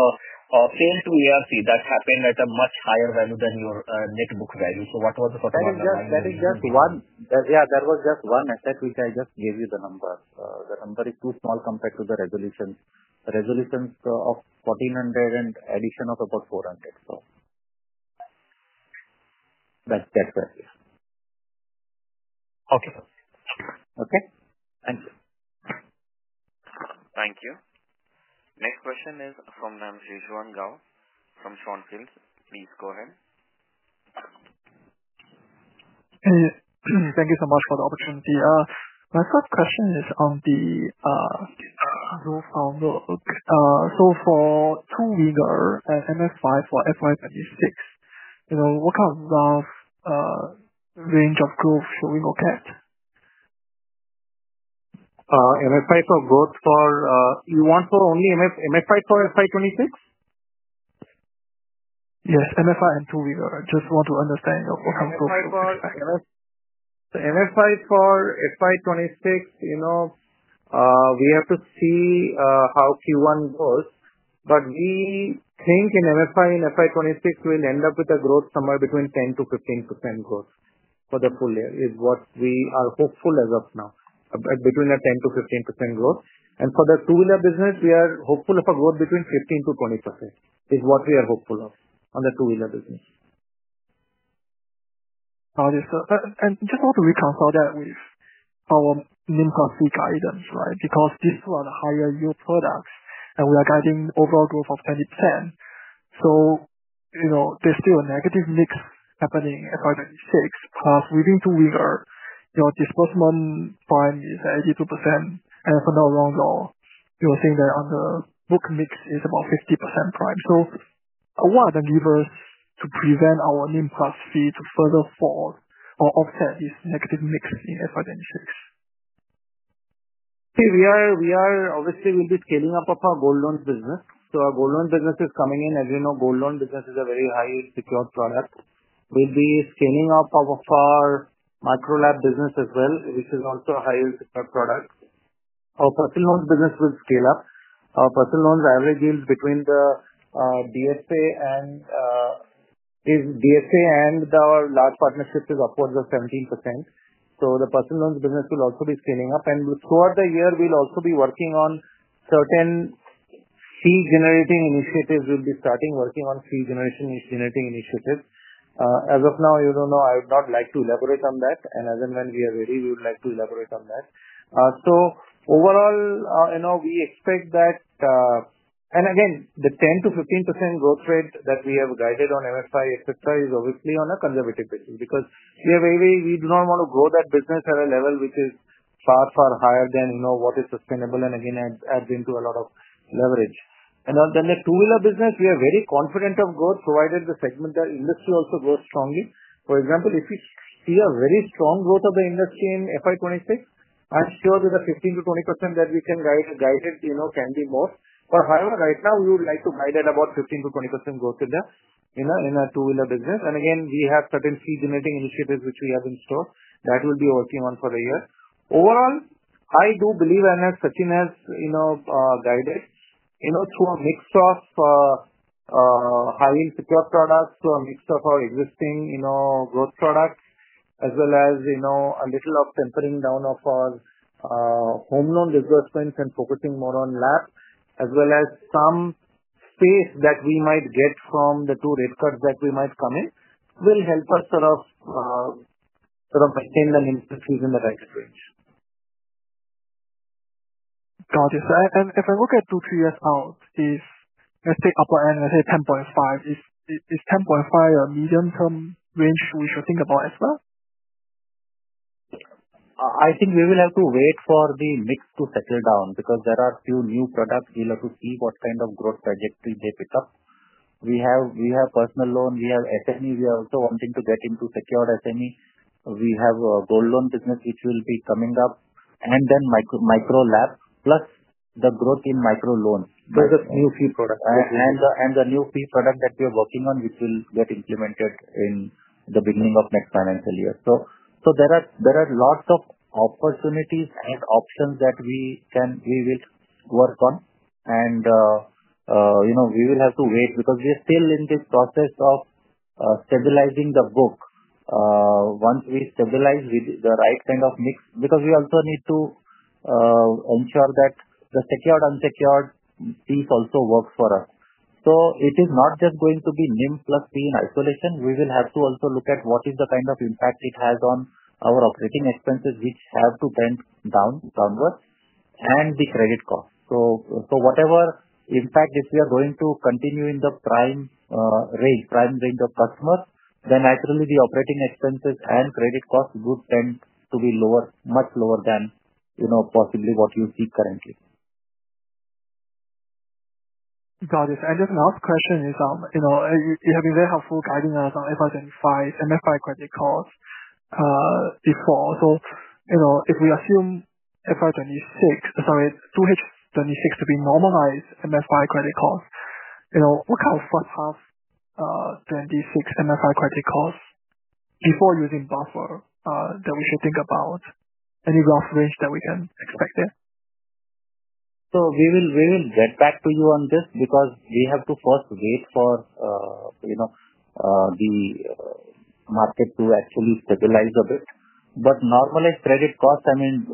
to ARC, that happened at a much higher value than your net book value. What was the sort of underlying asset? Yeah. That was just one asset which I just gave you the number. The number is too small compared to the resolutions. Resolutions of 1,400 and addition of about 400. That is where. Okay. Okay. Thank you. Thank you. Next question is from Ridhuan Gao from Swanfield. Please go ahead. Thank you so much for the opportunity. My first question is on the growth outlook. For two-wheeler and MFI for FY26, what kind of range of growth should we look at? MFI for growth for you want for only MFI for FY26? Yes. MFI and two-wheeler. I just want to understand what kind of growth should we expect. MFI for FY26, we have to see how Q1 goes. We think in MFI and FY2026, we'll end up with a growth somewhere between 10 to 15% growth for the full year is what we are hopeful as of now, between a 10 to 15% growth. For the two-wheeler business, we are hopeful of a growth between 15 to 20% is what we are hopeful of on the two-wheeler business. Got it. I just want to reconcile that with our NIMCA seek guidance, right? Because these are the higher-yield products, and we are guiding overall growth of 20%. There is still a negative mix happening FY2026 plus within two-wheeler, disbursement prime is 82%. For now, around, you're saying that on the book mix is about 50% prime. What are the levers to prevent our NIMCA fee to further fall or offset this negative mix in FY2026? See, we obviously will be scaling up our gold loan business. Our gold loan business is coming in. As you know, gold loan business is a very high-yield secured product. We will be scaling up our MicroLab business as well, which is also a high-yield secured product. Our personal loan business will scale up. Our personal loan's average yield between the DSA and our large partnership is upwards of 17%. The personal loan business will also be scaling up. Throughout the year, we will also be working on certain fee-generating initiatives. We will be starting to work on fee-generating initiatives. As of now, I would not like to elaborate on that. As and when we are ready, we would like to elaborate on that. Overall, we expect that. The 10%-15% growth rate that we have guided on MFI, etc., is obviously on a conservative basis because we do not want to grow that business at a level which is far, far higher than what is sustainable and again adds into a lot of leverage. The two-wheeler business, we are very confident of growth provided the segment, that industry also grows strongly. For example, if we see a very strong growth of the industry in FY2026, I am sure with a 15%-20% that we can guide it, can be more. However, right now, we would like to guide at about 15%-20% growth in the two-wheeler business. We have certain fee-generating initiatives which we have in store. That will be a working one for the year. Overall, I do believe and as Ritin has guided through a mix of high-yield secured products, a mix of our existing growth products, as well as a little of tampering down of our home loan disbursements and focusing more on lab, as well as some space that we might get from the two rate cuts that we might come in, will help us sort of maintain the industry in the target range. Got it. If I look at two to three years out, let's say upper end, let's say 10.5, is 10.5 a medium-term range we should think about as well? I think we will have to wait for the mix to settle down because there are a few new products we'll have to see what kind of growth trajectory they pick up. We have personal loan. We have SME. We are also wanting to get into secured SME. We have a Gold Loans business which will be coming up, and then MicroLab plus the growth in micro-loans. Those are new fee products. The new fee product that we are working on, which will get implemented in the beginning of next financial year. There are lots of opportunities and options that we will work on. We will have to wait because we are still in this process of stabilizing the book. Once we stabilize with the right kind of mix, because we also need to ensure that the secured unsecured piece also works for us. It is not just going to be NIM plus fee in isolation. We will have to also look at what is the kind of impact it has on our operating expenses, which have to bend downwards, and the credit costs. Whatever impact, if we are going to continue in the prime range of customers, then naturally the operating expenses and credit costs would tend to be lower, much lower than possibly what you see currently. Got it. The last question is, you have been very helpful guiding us on FY 2025 MFI credit cost before. If we assume FY 2026, sorry, second half 2026 to be normalized MFI credit cost, what kind of first half 2026 MFI credit cost before using buffer should we think about? Any rough range that we can expect there? We will get back to you on this because we have to first wait for the market to actually stabilize a bit. Normalized credit cost, I mean,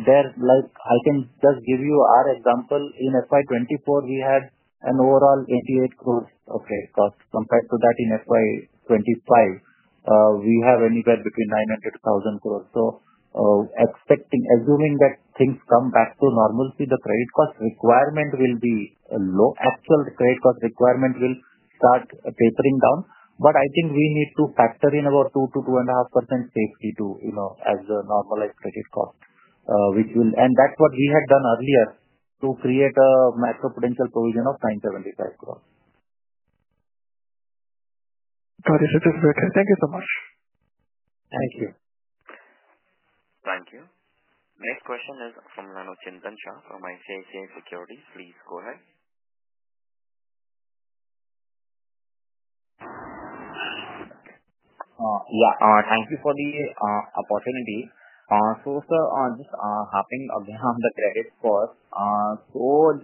I can just give you our example. In FY 2024, we had an overall 88 crore cost. Compared to that in FY 2025, we have anywhere between 900-1,000 crore. Assuming that things come back to normalcy, the credit cost requirement will be low. Actual credit cost requirement will start tapering down. I think we need to factor in about 2 to 2.5% safety as the normalized credit cost, which will, and that's what we had done earlier to create a macro-potential provision of 975 crore. Got it. This is very clear. Thank you so much. Thank you. Thank you. Next question is from Ranuchin Panchha from ICICI Securities. Please go ahead. Thank you for the opportunity. Sir, just hopping again on the credit cost. I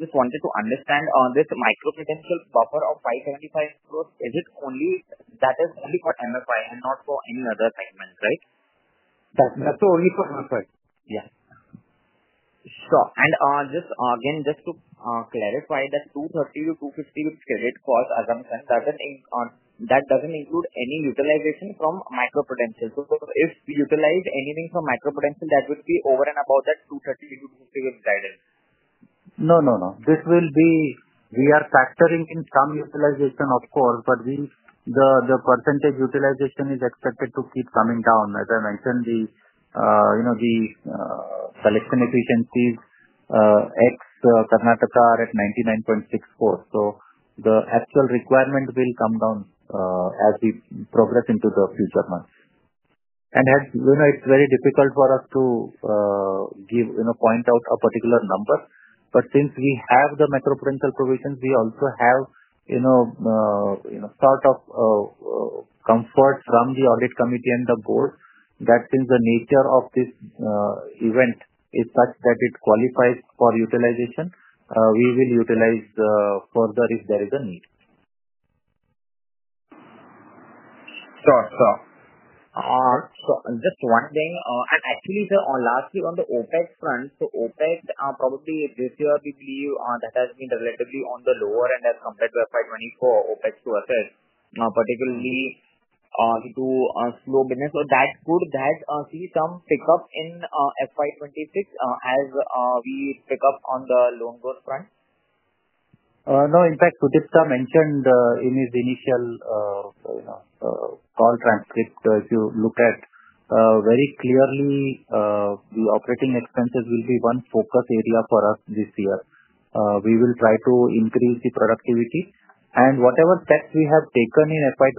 just wanted to understand this macro-potential buffer of 575 crore, is it only for MFI and not for any other segment, right? That's only for MFI. Yeah. Sure. Just to clarify, that 230-250 with credit cost assumption does not include any utilization from macro-potential. If we utilize anything from macro-potential, that would be over and above that 230-250 guidance? No, no, no. We are factoring in some utilization, of course, but the percentage utilization is expected to keep coming down. As I mentioned, the collection efficiencies, excluding Karnataka, are at 99.64%. The actual requirement will come down as we progress into the future months. It is very difficult for us to point out a particular number. Since we have the macro-potential provisions, we also have comfort from the audit committee and the board that, since the nature of this event is such that it qualifies for utilization, we will utilize further if there is a need. Sure. Sure. Just one thing. Actually, sir, lastly, on the OPEX front, OPEX, probably this year, we believe that has been relatively on the lower end as compared to FY 2024, OPEX to FX, particularly to slow business. That could see some pickup in FY 2026 as we pick up on the loan growth front? No. In fact, Sujith sir mentioned in his initial call transcript, if you look at very clearly, the operating expenses will be one focus area for us this year. We will try to increase the productivity. Whatever steps we have taken in FY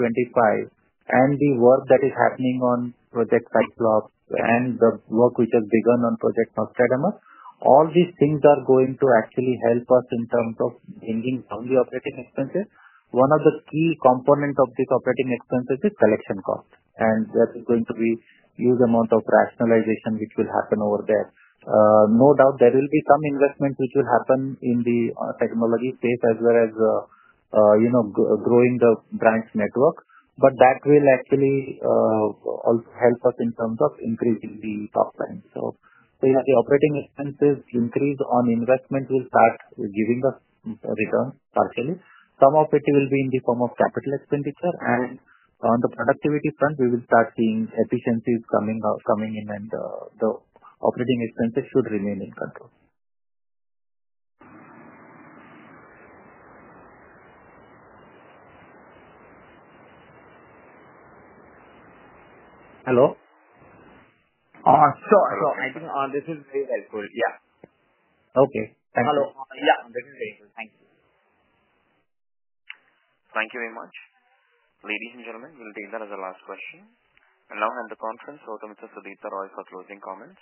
2025 and the work that is happening on Project Cyclops and the work which has begun on Project Nostradamus, all these things are going to actually help us in terms of bringing down the operating expenses. One of the key components of this operating expenses is selection cost. That is going to be a huge amount of rationalization which will happen over there. No doubt there will be some investment which will happen in the technology space as well as growing the branch network. That will actually also help us in terms of increasing the top line. The operating expenses increase on investment will start giving us returns partially. Some of it will be in the form of capital expenditure. On the productivity front, we will start seeing efficiencies coming in, and the operating expenses should remain in control. Hello? Sure. Sure. I think this is very helpful. Yeah. Okay.Thank you. Hello. Yeah. This is very good. Thank you. Thank you very much. Ladies and gentlemen, we'll take that as a last question. Now I hand the conference over to Mr. Sudipta Roy for closing comments.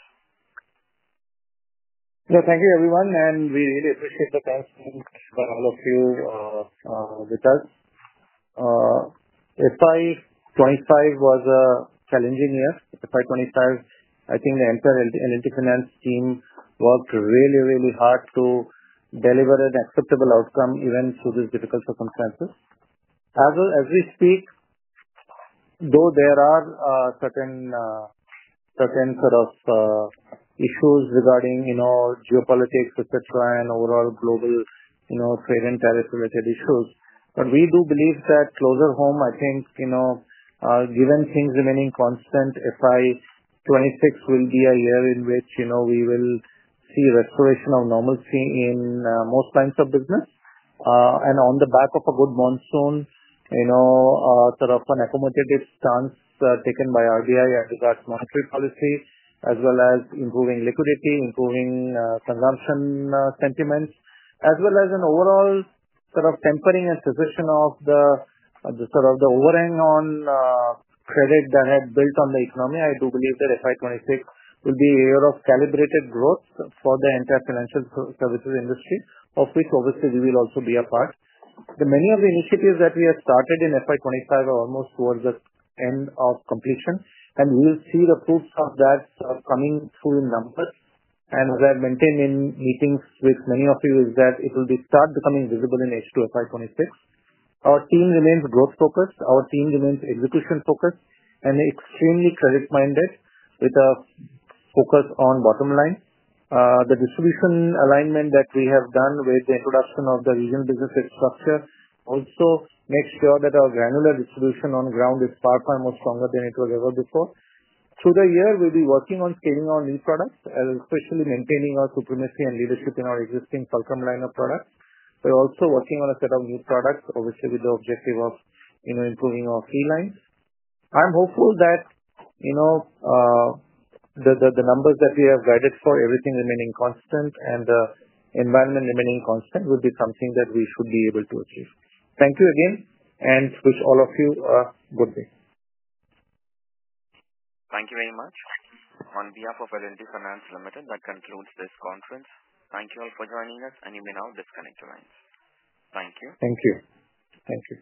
Yeah. Thank you, everyone. We really appreciate the time spent by all of you with us. FY25 was a challenging year. FY25, I think the entire L&T Finance team worked really, really hard to deliver an acceptable outcome even through these difficult circumstances. As we speak, though there are certain sort of issues regarding geopolitics, etc., and overall global credit and tariff-related issues, we do believe that closer home, I think, given things remaining constant, FY26 will be a year in which we will see restoration of normalcy in most lines of business. On the back of a good monsoon, sort of an accommodative stance taken by the Reserve Bank of India in regards to monetary policy, as well as improving liquidity, improving consumption sentiments, as well as an overall sort of tempering and position of the sort of the overhang on credit that had built on the economy, I do believe that FY2026 will be a year of calibrated growth for the entire financial services industry, of which obviously we will also be a part. Many of the initiatives that we have started in FY2025 are almost towards the end of completion. We will see the fruits of that coming through in numbers. As I have maintained in meetings with many of you, it will start becoming visible in H2 FY2026. Our team remains growth-focused. Our team remains execution-focused and extremely credit-minded with a focus on bottom line. The distribution alignment that we have done with the introduction of the regional business infrastructure also makes sure that our granular distribution on ground is far, far more stronger than it was ever before. Through the year, we'll be working on scaling our new products, especially maintaining our supremacy and leadership in our existing core line of products. We're also working on a set of new products, obviously with the objective of improving our fee lines. I'm hopeful that the numbers that we have guided for, everything remaining constant and the environment remaining constant, will be something that we should be able to achieve. Thank you again and wish all of you a good day. Thank you very much. On behalf of L&T Finance Limited, that concludes this conference. Thank you all for joining us, and you may now disconnect your lines. Thank you. Thank you. Thank you.